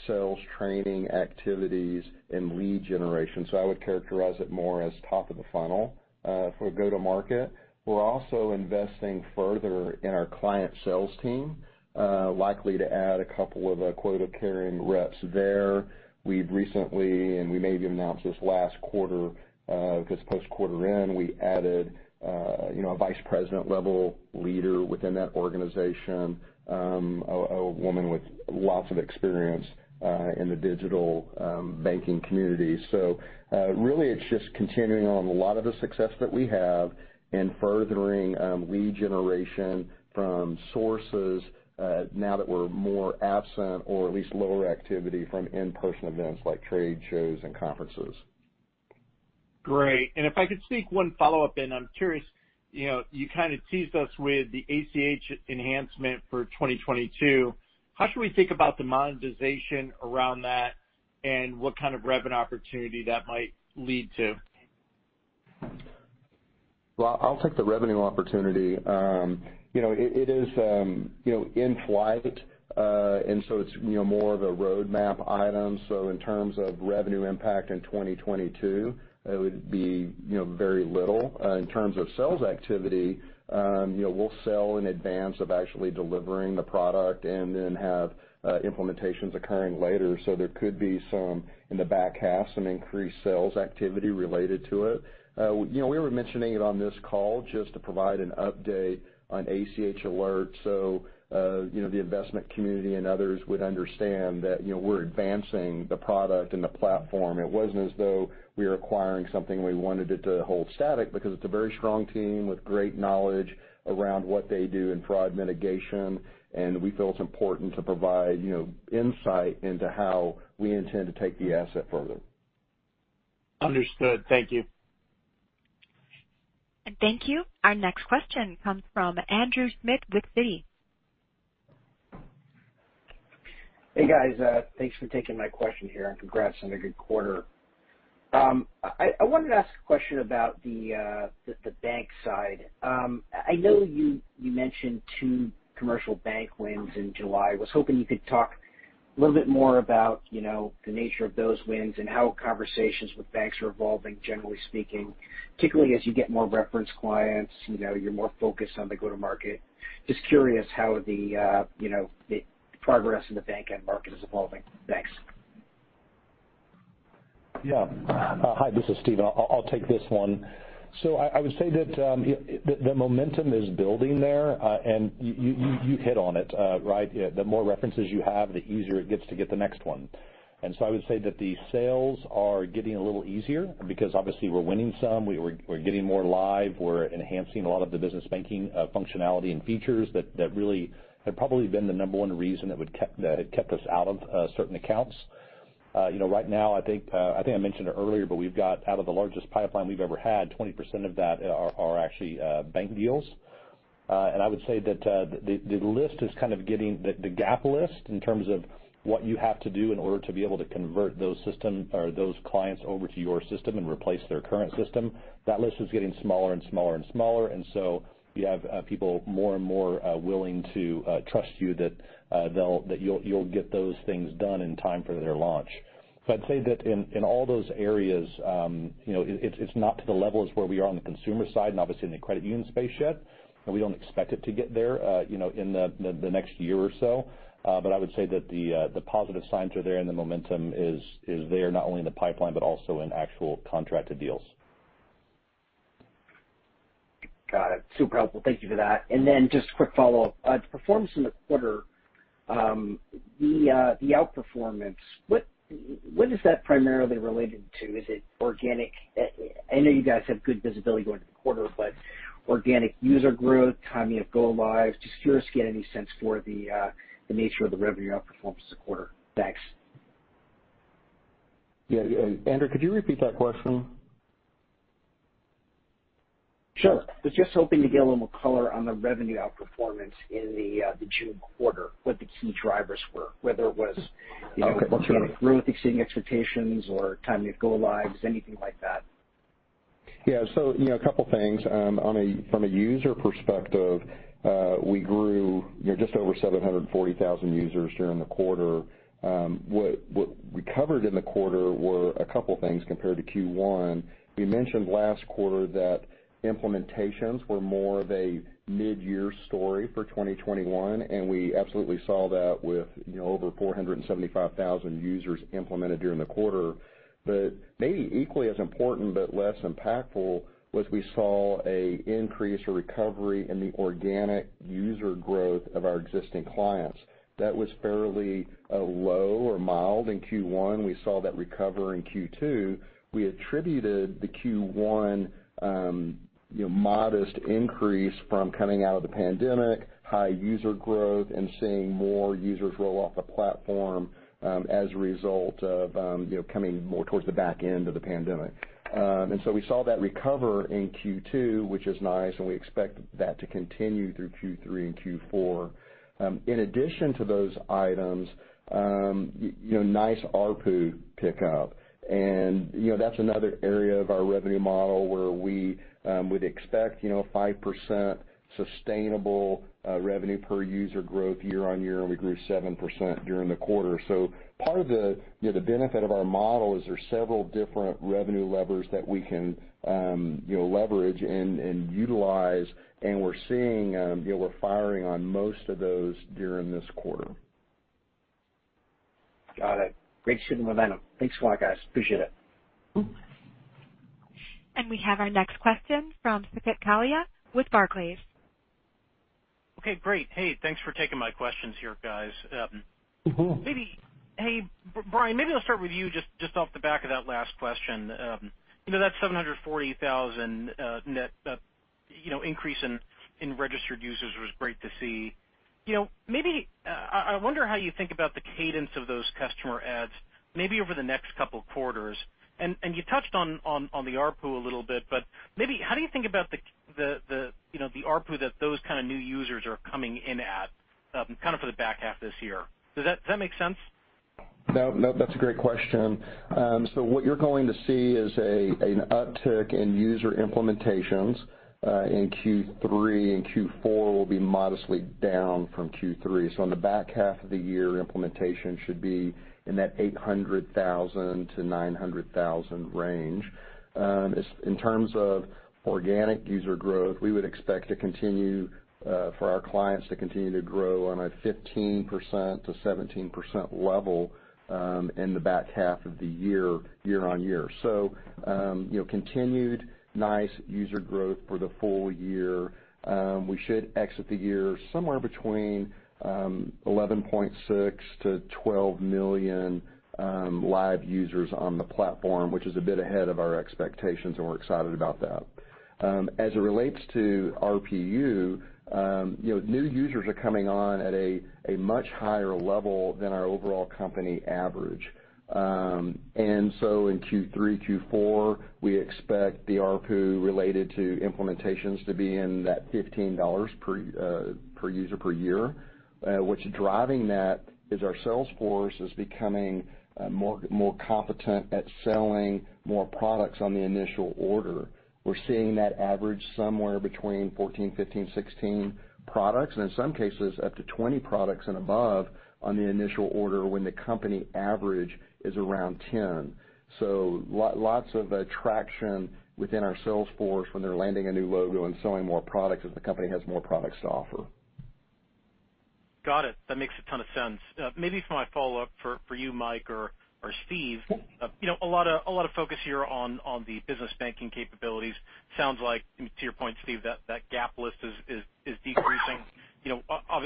Speaker 5: sales training activities, and lead generation. I would characterize it more as top of the funnel for go-to-market. We're also investing further in our client sales team, likely to add two quota-carrying reps there. We've recently, and we maybe announced this last quarter because post quarter end, we added a Vice President level leader within that organization, a woman with lots of experience in the digital banking community. Really it's just continuing on a lot of the success that we have and furthering lead generation from sources now that we're more absent or at least lower activity from in-person events like trade shows and conferences.
Speaker 7: Great. If I could sneak one follow-up in, I'm curious, you teased us with the ACH enhancement for 2022. How should we think about the monetization around that and what kind of revenue opportunity that might lead to?
Speaker 5: Well, I'll take the revenue opportunity. It is in-flight, it's more of a roadmap item. In terms of revenue impact in 2022, it would be very little. In terms of sales activity, we'll sell in advance of actually delivering the product and then have implementations occurring later. There could be some in the back half, some increased sales activity related to it. We were mentioning it on this call just to provide an update on ACH Alert so the investment community and others would understand that we're advancing the product and the platform. It wasn't as though we were acquiring something and we wanted it to hold static because it's a very strong team with great knowledge around what they do in fraud mitigation, and we feel it's important to provide insight into how we intend to take the asset further.
Speaker 7: Understood. Thank you.
Speaker 1: Thank you. Our next question comes from Andrew Schmidt with Citi.
Speaker 8: Hey, guys. Thanks for taking my question here, and congrats on a good quarter. I wanted to ask a question about the bank side. I know you mentioned 2 commercial bank wins in July. Was hoping you could talk a little bit more about the nature of those wins and how conversations with banks are evolving, generally speaking, particularly as you get more reference clients, you're more focused on the go-to-market. Just curious how the progress in the bank end market is evolving. Thanks.
Speaker 4: Hi, this is Stephen. I'll take this one. I would say that the momentum is building there, and you hit on it. The more references you have, the easier it gets to get the next one. I would say that the sales are getting a little easier because obviously we're winning some, we're getting more live, we're enhancing a lot of the business banking functionality and features that really have probably been the number 1 reason that had kept us out of certain accounts. Right now, I think I mentioned it earlier, but we've got out of the largest pipeline we've ever had, 20% of that are actually bank deals. I would say that the gap list in terms of what you have to do in order to be able to convert those clients over to your system and replace their current system, that list is getting smaller and smaller and smaller. You have people more and more willing to trust you that you'll get those things done in time for their launch. I'd say that in all those areas, it's not to the levels where we are on the consumer side and obviously in the credit union space yet, and we don't expect it to get there in the next year or so. I would say that the positive signs are there, and the momentum is there, not only in the pipeline, but also in actual contracted deals.
Speaker 8: Got it. Super helpful. Thank you for that. Then just a quick follow-up. Performance in the quarter, the outperformance, what is that primarily related to? Is it organic? I know you guys have good visibility going into the quarter, but organic user growth, timing of go lives, just curious to get any sense for the nature of the revenue outperformance this quarter. Thanks.
Speaker 5: Yeah. Andrew, could you repeat that question?
Speaker 8: Sure. Was just hoping to get a little more color on the revenue outperformance in the June quarter, what the key drivers were? Organic growth exceeding expectations or timing of go lives, anything like that.
Speaker 5: A couple of things. From a user perspective, we grew just over 740,000 users during the quarter. What we covered in the quarter were a couple of things compared to Q1. We mentioned last quarter that implementations were more of a mid-year story for 2021, and we absolutely saw that with over 475,000 users implemented during the quarter. Maybe equally as important but less impactful was we saw an increase or recovery in the organic user growth of our existing clients. That was fairly low or mild in Q1. We saw that recover in Q2. We attributed the Q1 modest increase from coming out of the pandemic, high user growth, and seeing more users roll off the platform as a result of coming more towards the back end of the pandemic. We saw that recover in Q2, which is nice, and we expect that to continue through Q3 and Q4. In addition to those items, nice ARPU pickup. That's another area of our revenue model where we would expect 5% sustainable revenue per user growth year-on-year, and we grew 7% during the quarter. Part of the benefit of our model is there's several different revenue levers that we can leverage and utilize, we're firing on most of those during this quarter.
Speaker 8: Got it. Great set of momentum. Thanks a lot, guys. Appreciate it.
Speaker 1: We have our next question from Saket Kalia with Barclays.
Speaker 9: Okay, great. Hey, thanks for taking my questions here, guys. Hey, Bryan, maybe I'll start with you just off the back of that last question. That 740,000 net increase in registered users was great to see. I wonder how you think about the cadence of those customer adds maybe over the next couple of quarters. You touched on the ARPU a little bit, but maybe how do you think about the ARPU that those kind of new users are coming in at for the back half of this year? Does that make sense?
Speaker 5: No, that's a great question. What you're going to see is an uptick in user implementations in Q3, and Q4 will be modestly down from Q3. On the back half of the year, implementation should be in that 800,000-900,000 range. In terms of organic user growth, we would expect for our clients to continue to grow on a 15%-17% level in the back half of the year-on-year. Continued nice user growth for the full year. We should exit the year somewhere between 11.6 million-12 million live users on the platform, which is a bit ahead of our expectations, and we're excited about that. As it relates to RPU, new users are coming on at a much higher level than our overall company average. In Q3, Q4, we expect the ARPU related to implementations to be in that $15 per user per year. What's driving that is our sales force is becoming more competent at selling more products on the initial order. We're seeing that average somewhere between 14, 15, 16 products, and in some cases, up to 20 products and above on the initial order when the company average is around 10. Lots of traction within our sales force when they're landing a new logo and selling more products as the company has more products to offer.
Speaker 9: Got it. That makes a ton of sense. Maybe for my follow-up for you, Mike or Steve, a lot of focus here on the business banking capabilities. Sounds like, to your point, Steve, that gap list is decreasing.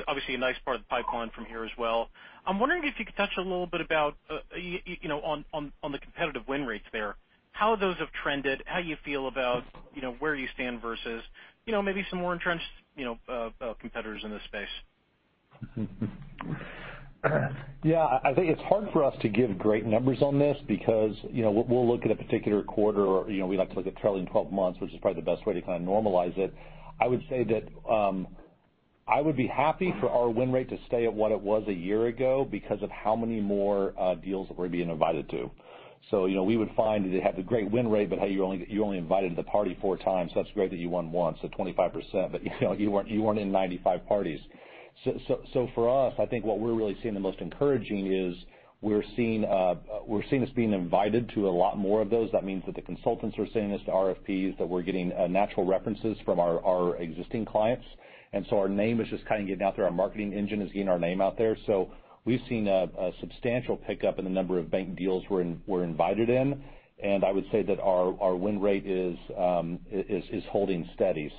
Speaker 9: Obviously, a nice part of the pipeline from here as well. I'm wondering if you could touch a little bit about on the competitive win rates there, how those have trended, how you feel about where you stand versus maybe some more entrenched competitors in this space.
Speaker 4: Yeah. I think it's hard for us to give great numbers on this because we'll look at a particular quarter, or we like to look at trailing 12 months, which is probably the best way to kind of normalize it. I would say that I would be happy for our win rate to stay at what it was a year ago because of how many more deals that we're being invited to. We would find that it had the great win rate, but, hey, you're only invited to the party four times. That's great that you won once, 25%, but you weren't in 95 parties. For us, I think what we're really seeing the most encouraging is we're seeing us being invited to a lot more of those. That means that the consultants are saying this to RFPs, that we're getting natural references from our existing clients. Our name is just kind of getting out there. Our marketing engine is getting our name out there. We've seen a substantial pickup in the number of bank deals we're invited in, and I would say that our win rate is holding steady.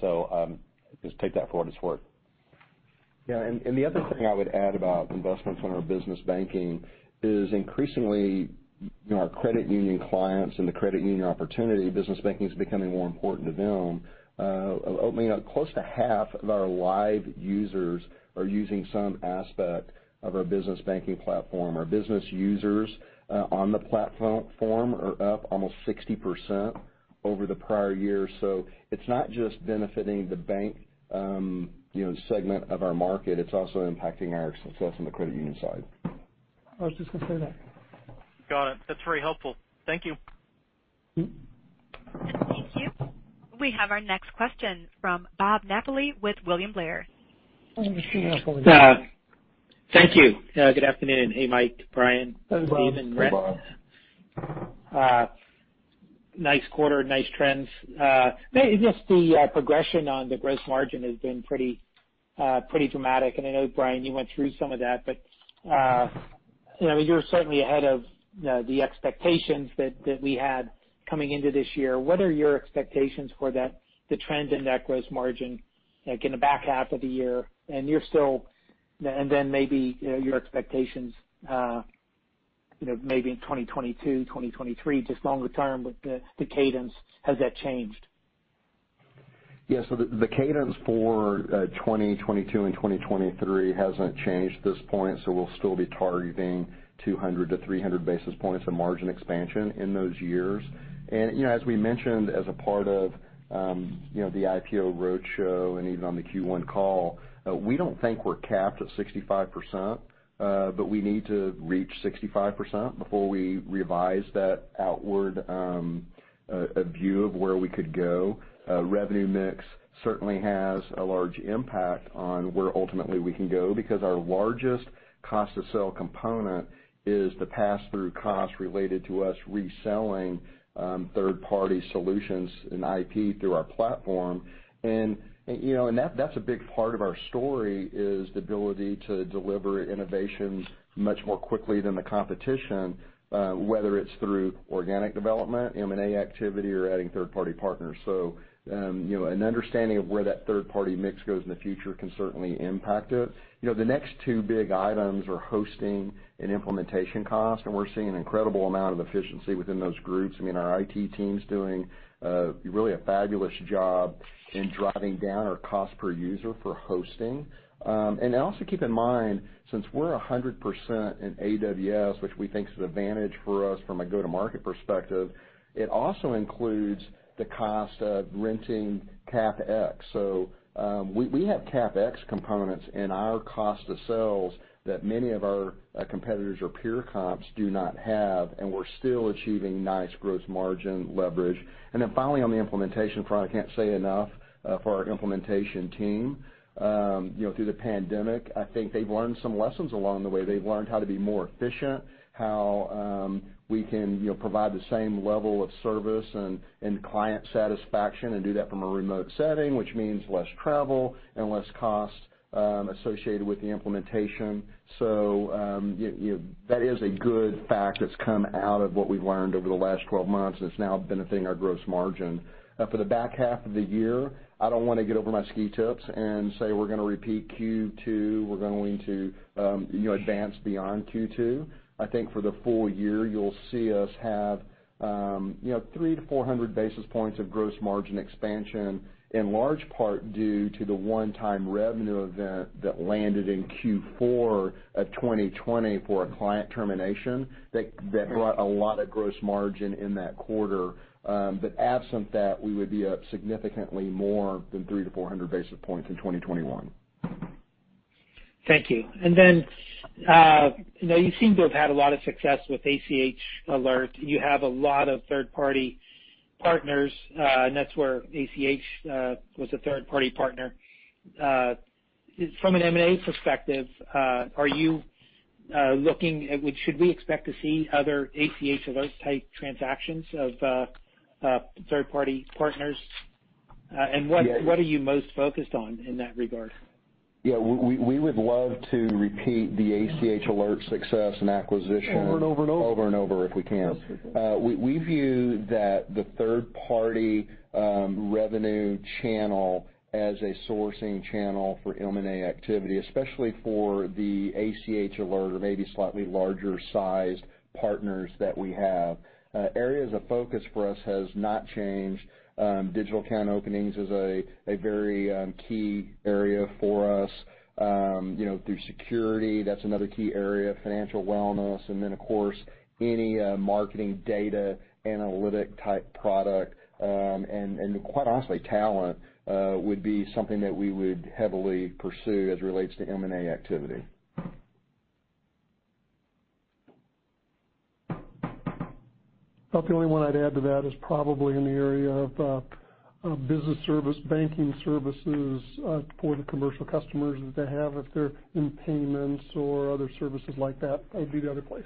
Speaker 4: Just take that for what it's worth.
Speaker 5: The other thing I would add about investments on our business banking is increasingly, our credit union clients and the credit union opportunity, business banking is becoming more important to them. Close to half of our live users are using some aspect of our business banking platform. Our business users on the platform are up almost 60% over the prior year. It's not just benefiting the bank segment of our market, it's also impacting our success on the credit union side.
Speaker 4: I was just going to say that.
Speaker 9: Got it. That's very helpful. Thank you.
Speaker 1: Thank you. We have our next question from Bob Napoli with William Blair.
Speaker 10: Thank you. Good afternoon. Hey, Mike, Bryan.
Speaker 4: Hey, Bob.
Speaker 5: Hey, Bob.
Speaker 10: Stephen, Bryan Nice quarter, nice trends. Maybe just the progression on the gross margin has been pretty dramatic, and I know, Bryan, you went through some of that, but you're certainly ahead of the expectations that we had coming into this year. What are your expectations for the trend in that gross margin, like in the back half of the year? Maybe your expectations in 2022, 2023, just longer term with the cadence. Has that changed?
Speaker 5: Yeah. The cadence for 2022 and 2023 hasn't changed at this point, so we'll still be targeting 200 to 300 basis points of margin expansion in those years. As we mentioned as a part of the IPO roadshow and even on the Q1 call, we don't think we're capped at 65%, but we need to reach 65% before we revise that outward view of where we could go. Revenue mix certainly has a large impact on where ultimately we can go because our largest cost to sell component is the pass-through cost related to us reselling third-party solutions and IP through our platform. That's a big part of our story, is the ability to deliver innovations much more quickly than the competition, whether it's through organic development, M&A activity, or adding third-party partners. An understanding of where that third-party mix goes in the future can certainly impact it. The next two big items are hosting and implementation cost. We're seeing an incredible amount of efficiency within those groups. Our IT team's doing really a fabulous job in driving down our cost per user for hosting. Also keep in mind, since we're 100% in AWS, which we think is an advantage for us from a go-to-market perspective, it also includes the cost of renting CapEx. We have CapEx components in our cost of sales that many of our competitors or peer comps do not have. We're still achieving nice gross margin leverage. Finally, on the implementation front, I can't say enough for our implementation team. Through the pandemic, I think they've learned some lessons along the way. They've learned how to be more efficient, how we can provide the same level of service and client satisfaction, and do that from a remote setting, which means less travel and less cost associated with the implementation. That is a good fact that's come out of what we've learned over the last 12 months, and it's now benefiting our gross margin. For the back half of the year, I don't want to get over my ski tips and say we're going to repeat Q2, we're going to advance beyond Q2. I think for the full year, you'll see us have 300 to 400 basis points of gross margin expansion, in large part due to the one-time revenue event that landed in Q4 of 2020 for a client termination that brought a lot of gross margin in that quarter. Absent that, we would be up significantly more than 300-400 basis points in 2021.
Speaker 10: Thank you. You seem to have had a lot of success with ACH Alert. You have a lot of third-party partners, and that's where ACH was a third-party partner. From an M&A perspective, should we expect to see other ACH Alert-type transactions of third-party partners? What are you most focused on in that regard?
Speaker 5: We would love to repeat the ACH Alert success and acquisition-
Speaker 3: Over and over and over.
Speaker 5: Over and over if we can. We view that the third-party revenue channel as a sourcing channel for M&A activity, especially for the ACH Alert or maybe slightly larger sized partners that we have. Areas of focus for us has not changed. Digital account openings is a very key area for us. The security, that's another key area, financial wellness, and then of course, any marketing data analytic type product. Quite honestly, talent would be something that we would heavily pursue as relates to M&A activity.
Speaker 3: The only one I'd add to that is probably in the area of business service, banking services for the commercial customers that they have, if they're in payments or other services like that would be the other place.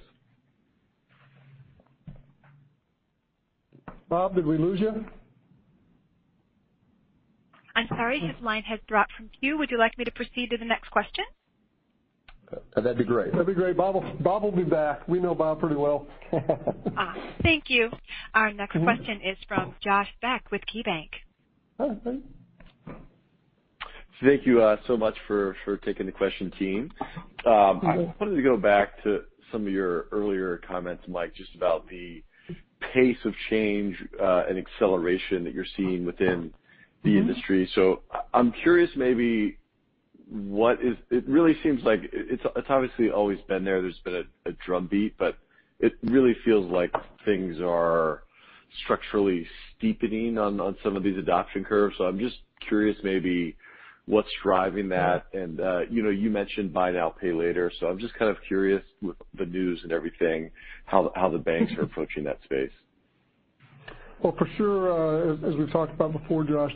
Speaker 3: Bob, did we lose you?
Speaker 1: I'm sorry. His line has dropped from queue. Would you like me to proceed to the next question?
Speaker 5: That'd be great.
Speaker 3: That'd be great. Bob will be back. We know Bob pretty well.
Speaker 1: Thank you. Our next question is from Josh Beck with KeyBanc.
Speaker 11: Thank you so much for taking the question, team. I wanted to go back to some of your earlier comments, Mike, just about the pace of change and acceleration that you're seeing within the industry. I'm curious maybe, it obviously always been there. There's been a drumbeat, but it really feels like things are structurally steepening on some of these adoption curves. I'm just curious maybe what's driving that, and you mentioned buy now, pay later. I'm just kind of curious with the news and everything, how the banks are approaching that space.
Speaker 3: Well, for sure, as we've talked about before, Josh,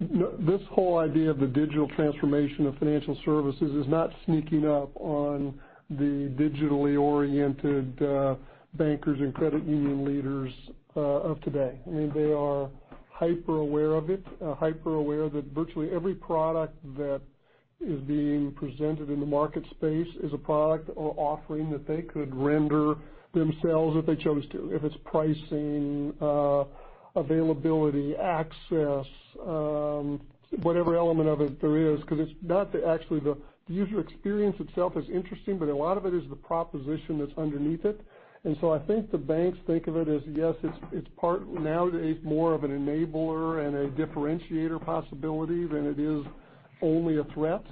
Speaker 3: this whole idea of the digital transformation of financial services is not sneaking up on the digitally oriented bankers and credit union leaders of today. They are hyper-aware of it, hyper-aware that virtually every product that is being presented in the market space is a product or offering that they could render themselves if they chose to, if it's pricing, availability, access, whatever element of it there is because the user experience itself is interesting, but a lot of it is the proposition that's underneath it. I think the banks think of it as, yes, it's part now more of an enabler and a differentiator possibility than it is only a threat.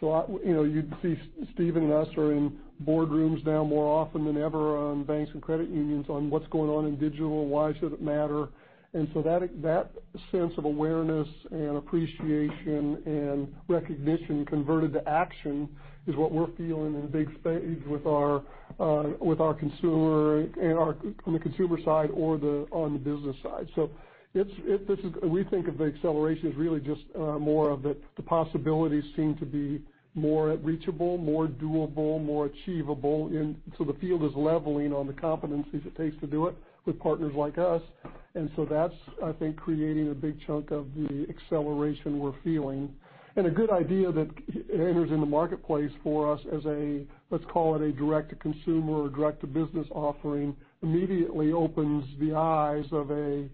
Speaker 3: You'd see Stephen and us are in boardrooms now more often than ever on banks and credit unions on what's going on in digital, why should it matter? That sense of awareness and appreciation and recognition converted to action is what we're feeling in big stage on the consumer side or on the business side. We think of the acceleration as really just more of the possibilities seem to be more reachable, more doable, more achievable. The field is leveling on the competencies it takes to do it with partners like us. That's, I think, creating a big chunk of the acceleration we're feeling. A good idea that enters in the marketplace for us as a, let's call it a direct-to-consumer or direct-to-business offering, immediately opens the eyes of a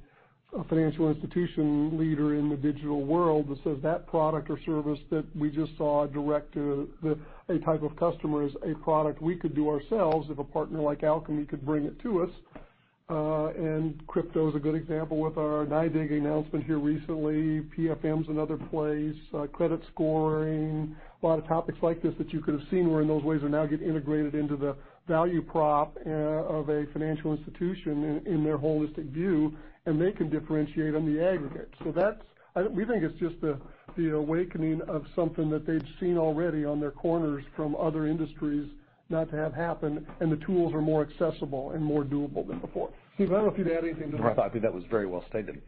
Speaker 3: financial institution leader in the digital world that says, "That product or service that we just saw direct to a type of customer is a product we could do ourselves if a partner like Alkami could bring it to us." Crypto is a good example with our NYDIG announcement here recently. PFM is another place, credit scoring, a lot of topics like this that you could've seen where in those ways are now getting integrated into the value prop of a financial institution in their holistic view, and they can differentiate on the aggregate. We think it's just the awakening of something that they've seen already on their corners from other industries not to have happen, and the tools are more accessible and more doable than before. Steve, I don't know if you'd add anything to that.
Speaker 5: No, I think that was very well stated.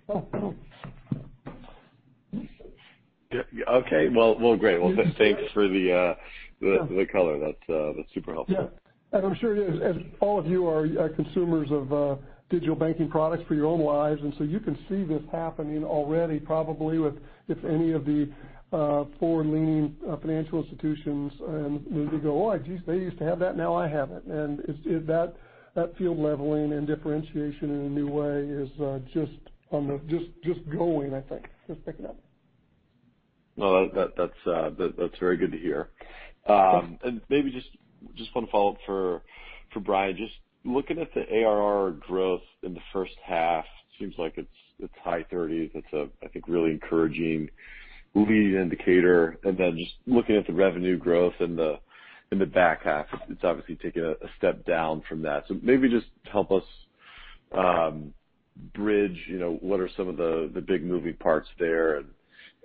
Speaker 11: Okay. Well, great. Thanks for the color. That's super helpful.
Speaker 3: Yeah. I'm sure as all of you are consumers of digital banking products for your own lives, and so you can see this happening already probably with any of the forward-leaning financial institutions. You go, "Oh, geez, they used to have that, now I have it." That field leveling and differentiation in a new way is just going, I think. Just picking up.
Speaker 11: Well, that's very good to hear. Maybe just one follow-up for Bryan. Just looking at the ARR growth in the first half, seems like it's high 30s. That's, I think, really encouraging leading indicator. Then just looking at the revenue growth in the back half, it's obviously taken a step down from that. Maybe just help us bridge what are some of the big moving parts there and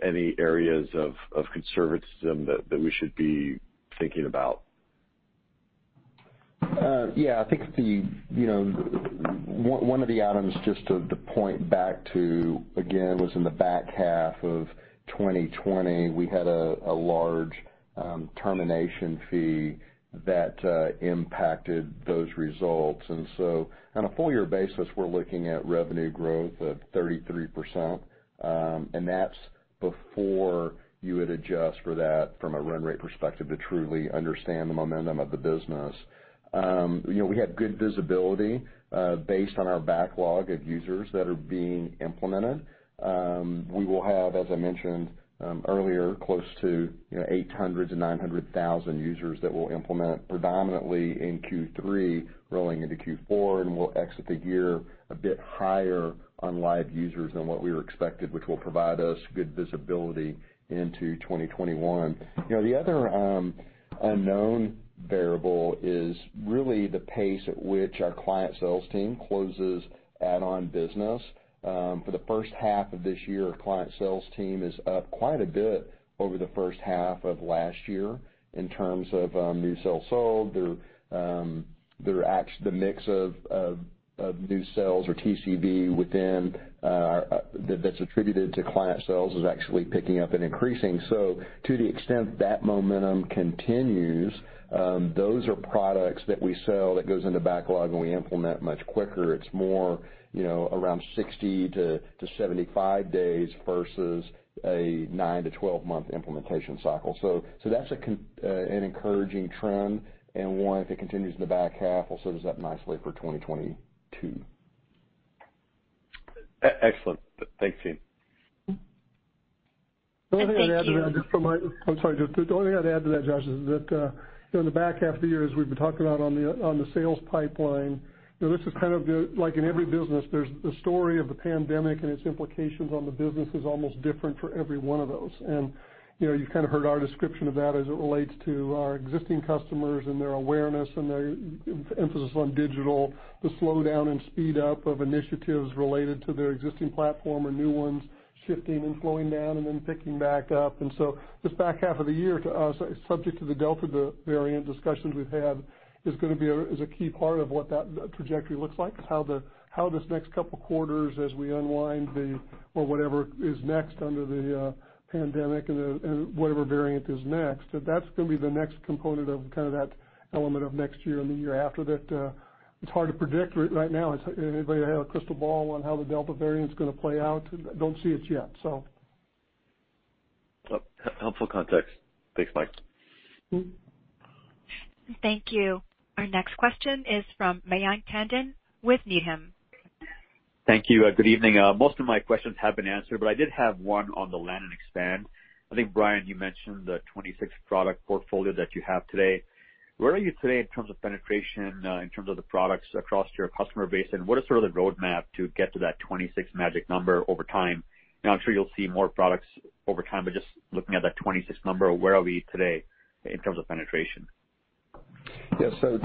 Speaker 11: any areas of conservatism that we should be thinking about.
Speaker 5: Yeah, I think one of the items just to point back to, again, was in the back half of 2020, we had a large termination fee that impacted those results. On a full year basis, we're looking at revenue growth of 33%, and that's before you would adjust for that from a run rate perspective to truly understand the momentum of the business. We have good visibility based on our backlog of users that are being implemented. We will have, as I mentioned earlier, close to 800,000-900,000 users that we'll implement predominantly in Q3 rolling into Q4, and we'll exit the year a bit higher on live users than what we were expected, which will provide us good visibility into 2021. The other unknown variable is really the pace at which our client sales team closes add-on business. For the first half of this year, our client sales team is up quite a bit over the first half of last year in terms of new sales sold. The mix of new sales or TCV that's attributed to client sales is actually picking up and increasing. To the extent that momentum continues, those are products that we sell that goes into backlog, and we implement much quicker. It's more around 60-75 days versus a 9 to 12-month implementation cycle. That's an encouraging trend, and one, if it continues in the back half, will set us up nicely for 2022.
Speaker 11: Excellent. Thanks, team.
Speaker 1: Thank you.
Speaker 3: The only thing I'd add to that, Josh, is that in the back half of the year, as we've been talking about on the sales pipeline, this is like in every business, there's the story of the pandemic, and its implications on the business is almost different for every one of those. You've kind of heard our description of that as it relates to our existing customers and their awareness and their emphasis on digital, the slowdown and speed up of initiatives related to their existing platform or new ones shifting and slowing down and then picking back up. This back half of the year, to us, subject to the Delta variant discussions we've had, is a key part of what that trajectory looks like, how this next couple quarters as we unwind whatever is next under the pandemic and whatever variant is next. That's going to be the next component of that element of next year and the year after that. It's hard to predict right now. Anybody have a crystal ball on how the Delta variant's going to play out? Don't see it yet.
Speaker 11: Helpful context. Thanks, Mike.
Speaker 1: Thank you. Our next question is from Mayank Tandon with Needham.
Speaker 12: Thank you. Good evening. Most of my questions have been answered, but I did have one on the land and expand. I think, Bryan, you mentioned the 26 product portfolio that you have today. Where are you today in terms of penetration, in terms of the products across your customer base, and what is sort of the roadmap to get to that 26 magic number over time? Now, I'm sure you'll see more products over time, but just looking at that 26 number, where are we today in terms of penetration?
Speaker 5: Yeah,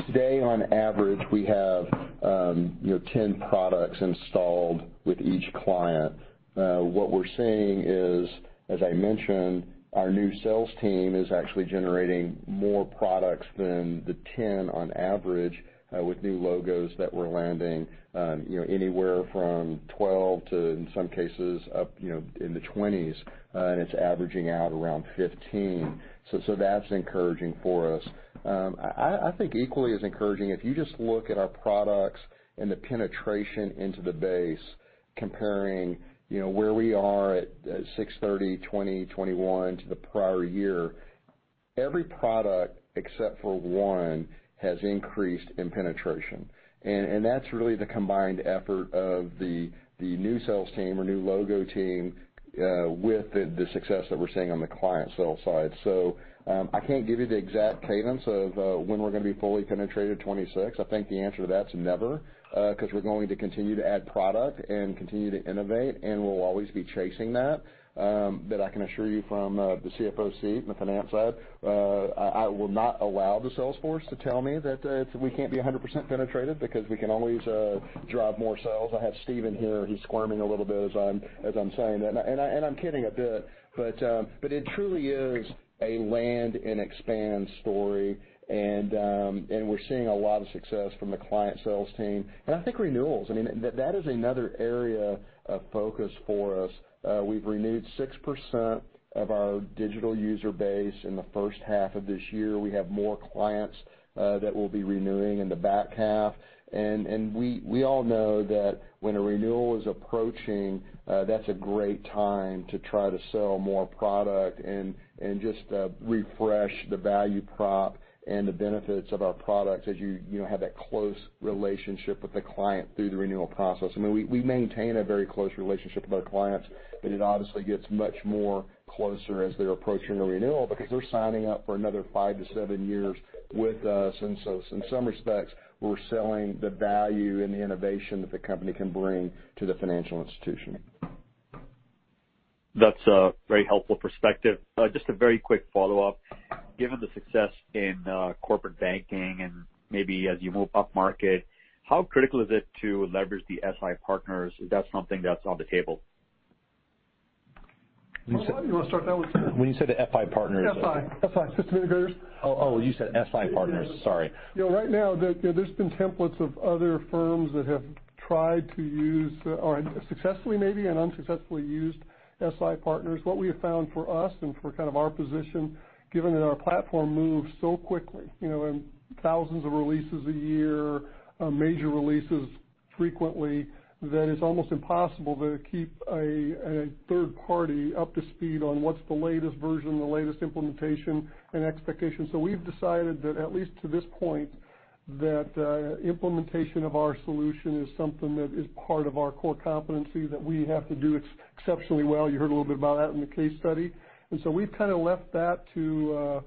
Speaker 5: today, on average, we have 10 products installed with each client. What we're seeing is, as I mentioned, our new sales team is actually generating more products than the 10 on average with new logos that we're landing, anywhere from 12 to, in some cases, up in the 20s, and it's averaging out around 15. That's encouraging for us. I think equally as encouraging, if you just look at our products and the penetration into the base, comparing where we are at 6/30/2021 to the prior year, every product except for 1 has increased in penetration. That's really the combined effort of the new sales team or new logo team with the success that we're seeing on the client sales side. I can't give you the exact cadence of when we're going to be fully penetrated 26. I think the answer to that's never, because we're going to continue to add product and continue to innovate, and we'll always be chasing that. But I can assure you from the CFO seat and the finance side, I will not allow the sales force to tell me that we can't be 100% penetrated because we can always drive more sales. I have Stephen here, he's squirming a little bit as I'm saying that, and I'm kidding a bit, but it truly is a land and expand story, and we're seeing a lot of success from the client sales team. And I think renewals, that is another area of focus for us. We've renewed 6% of our digital user base in the first half of this year. We have more clients that will be renewing in the back half. We all know that when a renewal is approaching, that's a great time to try to sell more product and just refresh the value prop and the benefits of our products as you have that close relationship with the client through the renewal process. We maintain a very close relationship with our clients, but it obviously gets much more closer as they're approaching a renewal because they're signing up for another 5 to 7 years with us. In some respects, we're selling the value and the innovation that the company can bring to the financial institution.
Speaker 12: That's a very helpful perspective. Just a very quick follow-up. Given the success in corporate banking and maybe as you move upmarket, how critical is it to leverage the SI partners? Is that something that's on the table?
Speaker 3: You want to start that one?
Speaker 5: When you said FI partners.
Speaker 3: FI. FI. System integrators.
Speaker 5: Oh, you said SI partners. Sorry.
Speaker 3: There's been templates of other firms that have tried to use, or successfully maybe and unsuccessfully used SI partners. What we have found for us and for our position, given that our platform moves so quickly, and thousands of releases a year, major releases frequently, that it's almost impossible to keep a third party up to speed on what's the latest version, the latest implementation, and expectations. We've decided that, at least to this point, that implementation of our solution is something that is part of our core competency that we have to do exceptionally well. You heard a little bit about that in the case study. We've left that to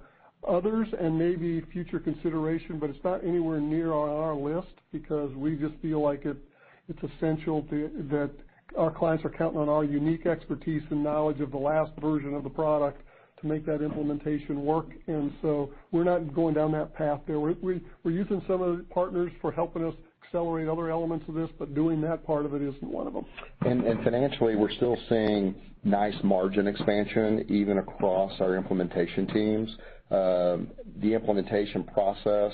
Speaker 3: others and maybe future consideration, but it's not anywhere near on our list because we just feel like it's essential that our clients are counting on our unique expertise and knowledge of the last version of the product to make that implementation work. We're not going down that path there. We're using some of the partners for helping us accelerate other elements of this, but doing that part of it isn't one of them.
Speaker 5: Financially, we're still seeing nice margin expansion, even across our implementation teams. The implementation process,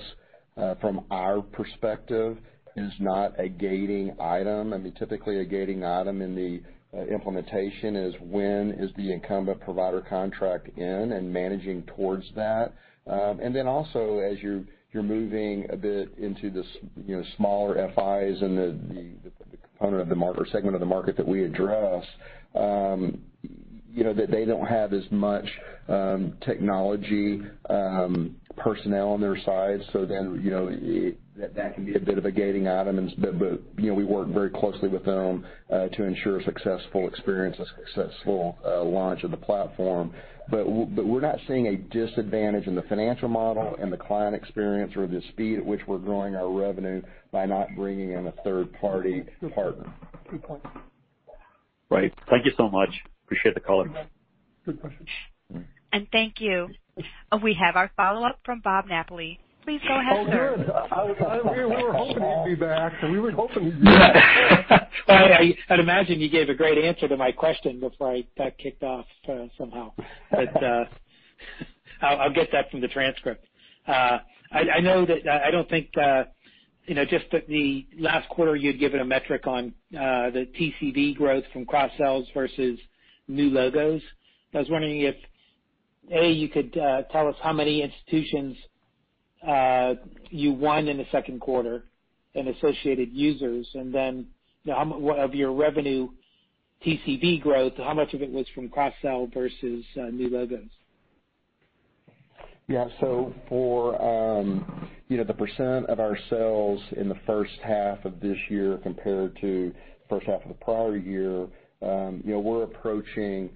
Speaker 5: from our perspective, is not a gating item. Typically, a gating item in the implementation is when is the incumbent provider contract in and managing towards that. Also, as you're moving a bit into the smaller FIs and the component of the market or segment of the market that we address, they don't have as much technology personnel on their side. That can be a bit of a gating item. We work very closely with them, to ensure a successful experience, a successful launch of the platform. We're not seeing a disadvantage in the financial model and the client experience or the speed at which we're growing our revenue by not bringing in a third-party partner.
Speaker 3: Good point.
Speaker 12: Right. Thank you so much. Appreciate the color.
Speaker 3: Good question.
Speaker 1: Thank you. We have our follow-up from Bob Napoli. Please go ahead, sir.
Speaker 3: Oh, good. We were hoping you'd be back. We were hoping you'd be back soon.
Speaker 10: I'd imagine you gave a great answer to my question before I got kicked off somehow. I'll get that from the transcript. I know that I don't think just that the last quarter, you'd given a metric on the TCV growth from cross-sells versus new logos. I was wondering if, A, you could tell us how many institutions you won in the second quarter and associated users, and then of your revenue TCV growth, how much of it was from cross-sell versus new logos?
Speaker 5: For the percent of our sales in the first half of this year compared to first half of the prior year, we're approaching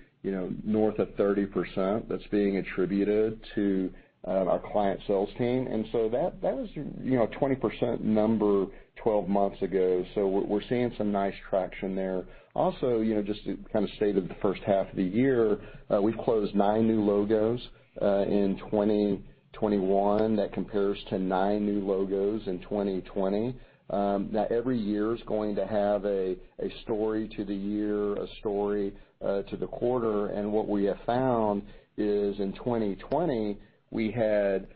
Speaker 5: north of 30% that's being attributed to our client sales team. That was 20% number 12 months ago. We're seeing some nice traction there. Also, just to state at the first half of the year, we've closed nine new logos in 2021. That compares to nine new logos in 2020. Every year is going to have a story to the year, a story to the quarter, and what we have found is in 2020, we had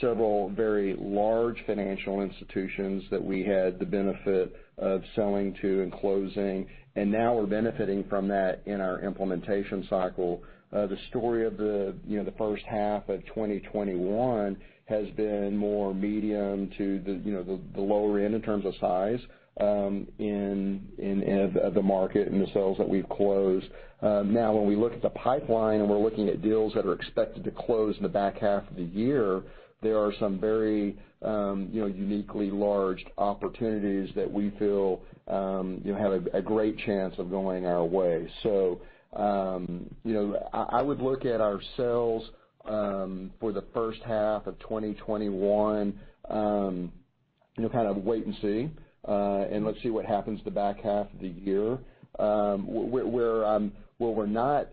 Speaker 5: several very large financial institutions that we had the benefit of selling to and closing, and now we're benefiting from that in our implementation cycle. The story of the first half of 2021 has been more medium to the lower end in terms of size of the market and the sales that we've closed. Now, when we look at the pipeline and we're looking at deals that are expected to close in the back half of the year, there are some very uniquely large opportunities that we feel have a great chance of going our way. I would look at our sales for the first half of 2021, wait and see, and let's see what happens the back half of the year. Where we're not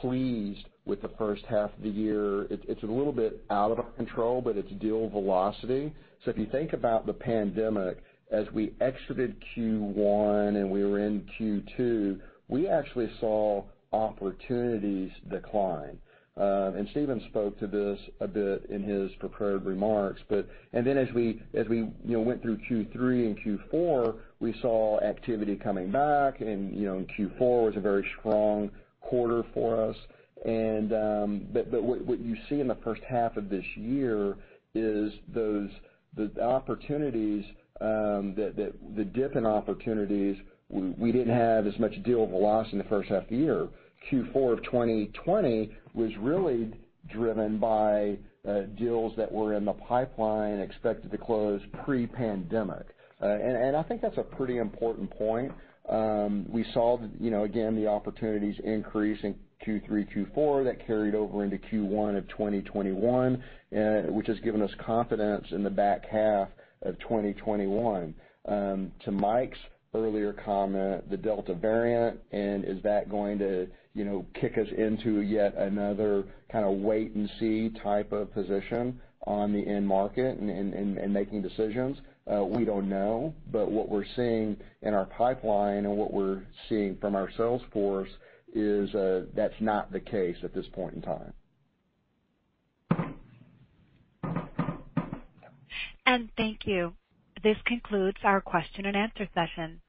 Speaker 5: pleased with the first half of the year, it's a little bit out of our control, but it's deal velocity. If you think about the pandemic, as we exited Q1 and we were in Q2, we actually saw opportunities decline. Stephen spoke to this a bit in his prepared remarks. As we went through Q3 and Q4, we saw activity coming back, and Q4 was a very strong quarter for us. What you see in the first half of this year is the opportunities, the dip in opportunities, we didn't have as much deal velocity in the first half of the year. Q4 of 2020 was really driven by deals that were in the pipeline expected to close pre-pandemic. I think that's a pretty important point. We saw, again, the opportunities increase in Q3, Q4. That carried over into Q1 of 2021, which has given us confidence in the back half of 2021. To Mike's earlier comment, the Delta variant, and is that going to kick us into yet another wait-and-see type of position on the end market and making decisions? We don't know. What we're seeing in our pipeline and what we're seeing from our sales force is that's not the case at this point in time.
Speaker 1: Thank you. This concludes our question and answer session.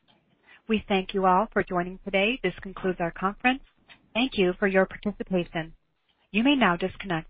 Speaker 1: We thank you all for joining today. This concludes our conference. Thank you for your participation. You may now disconnect.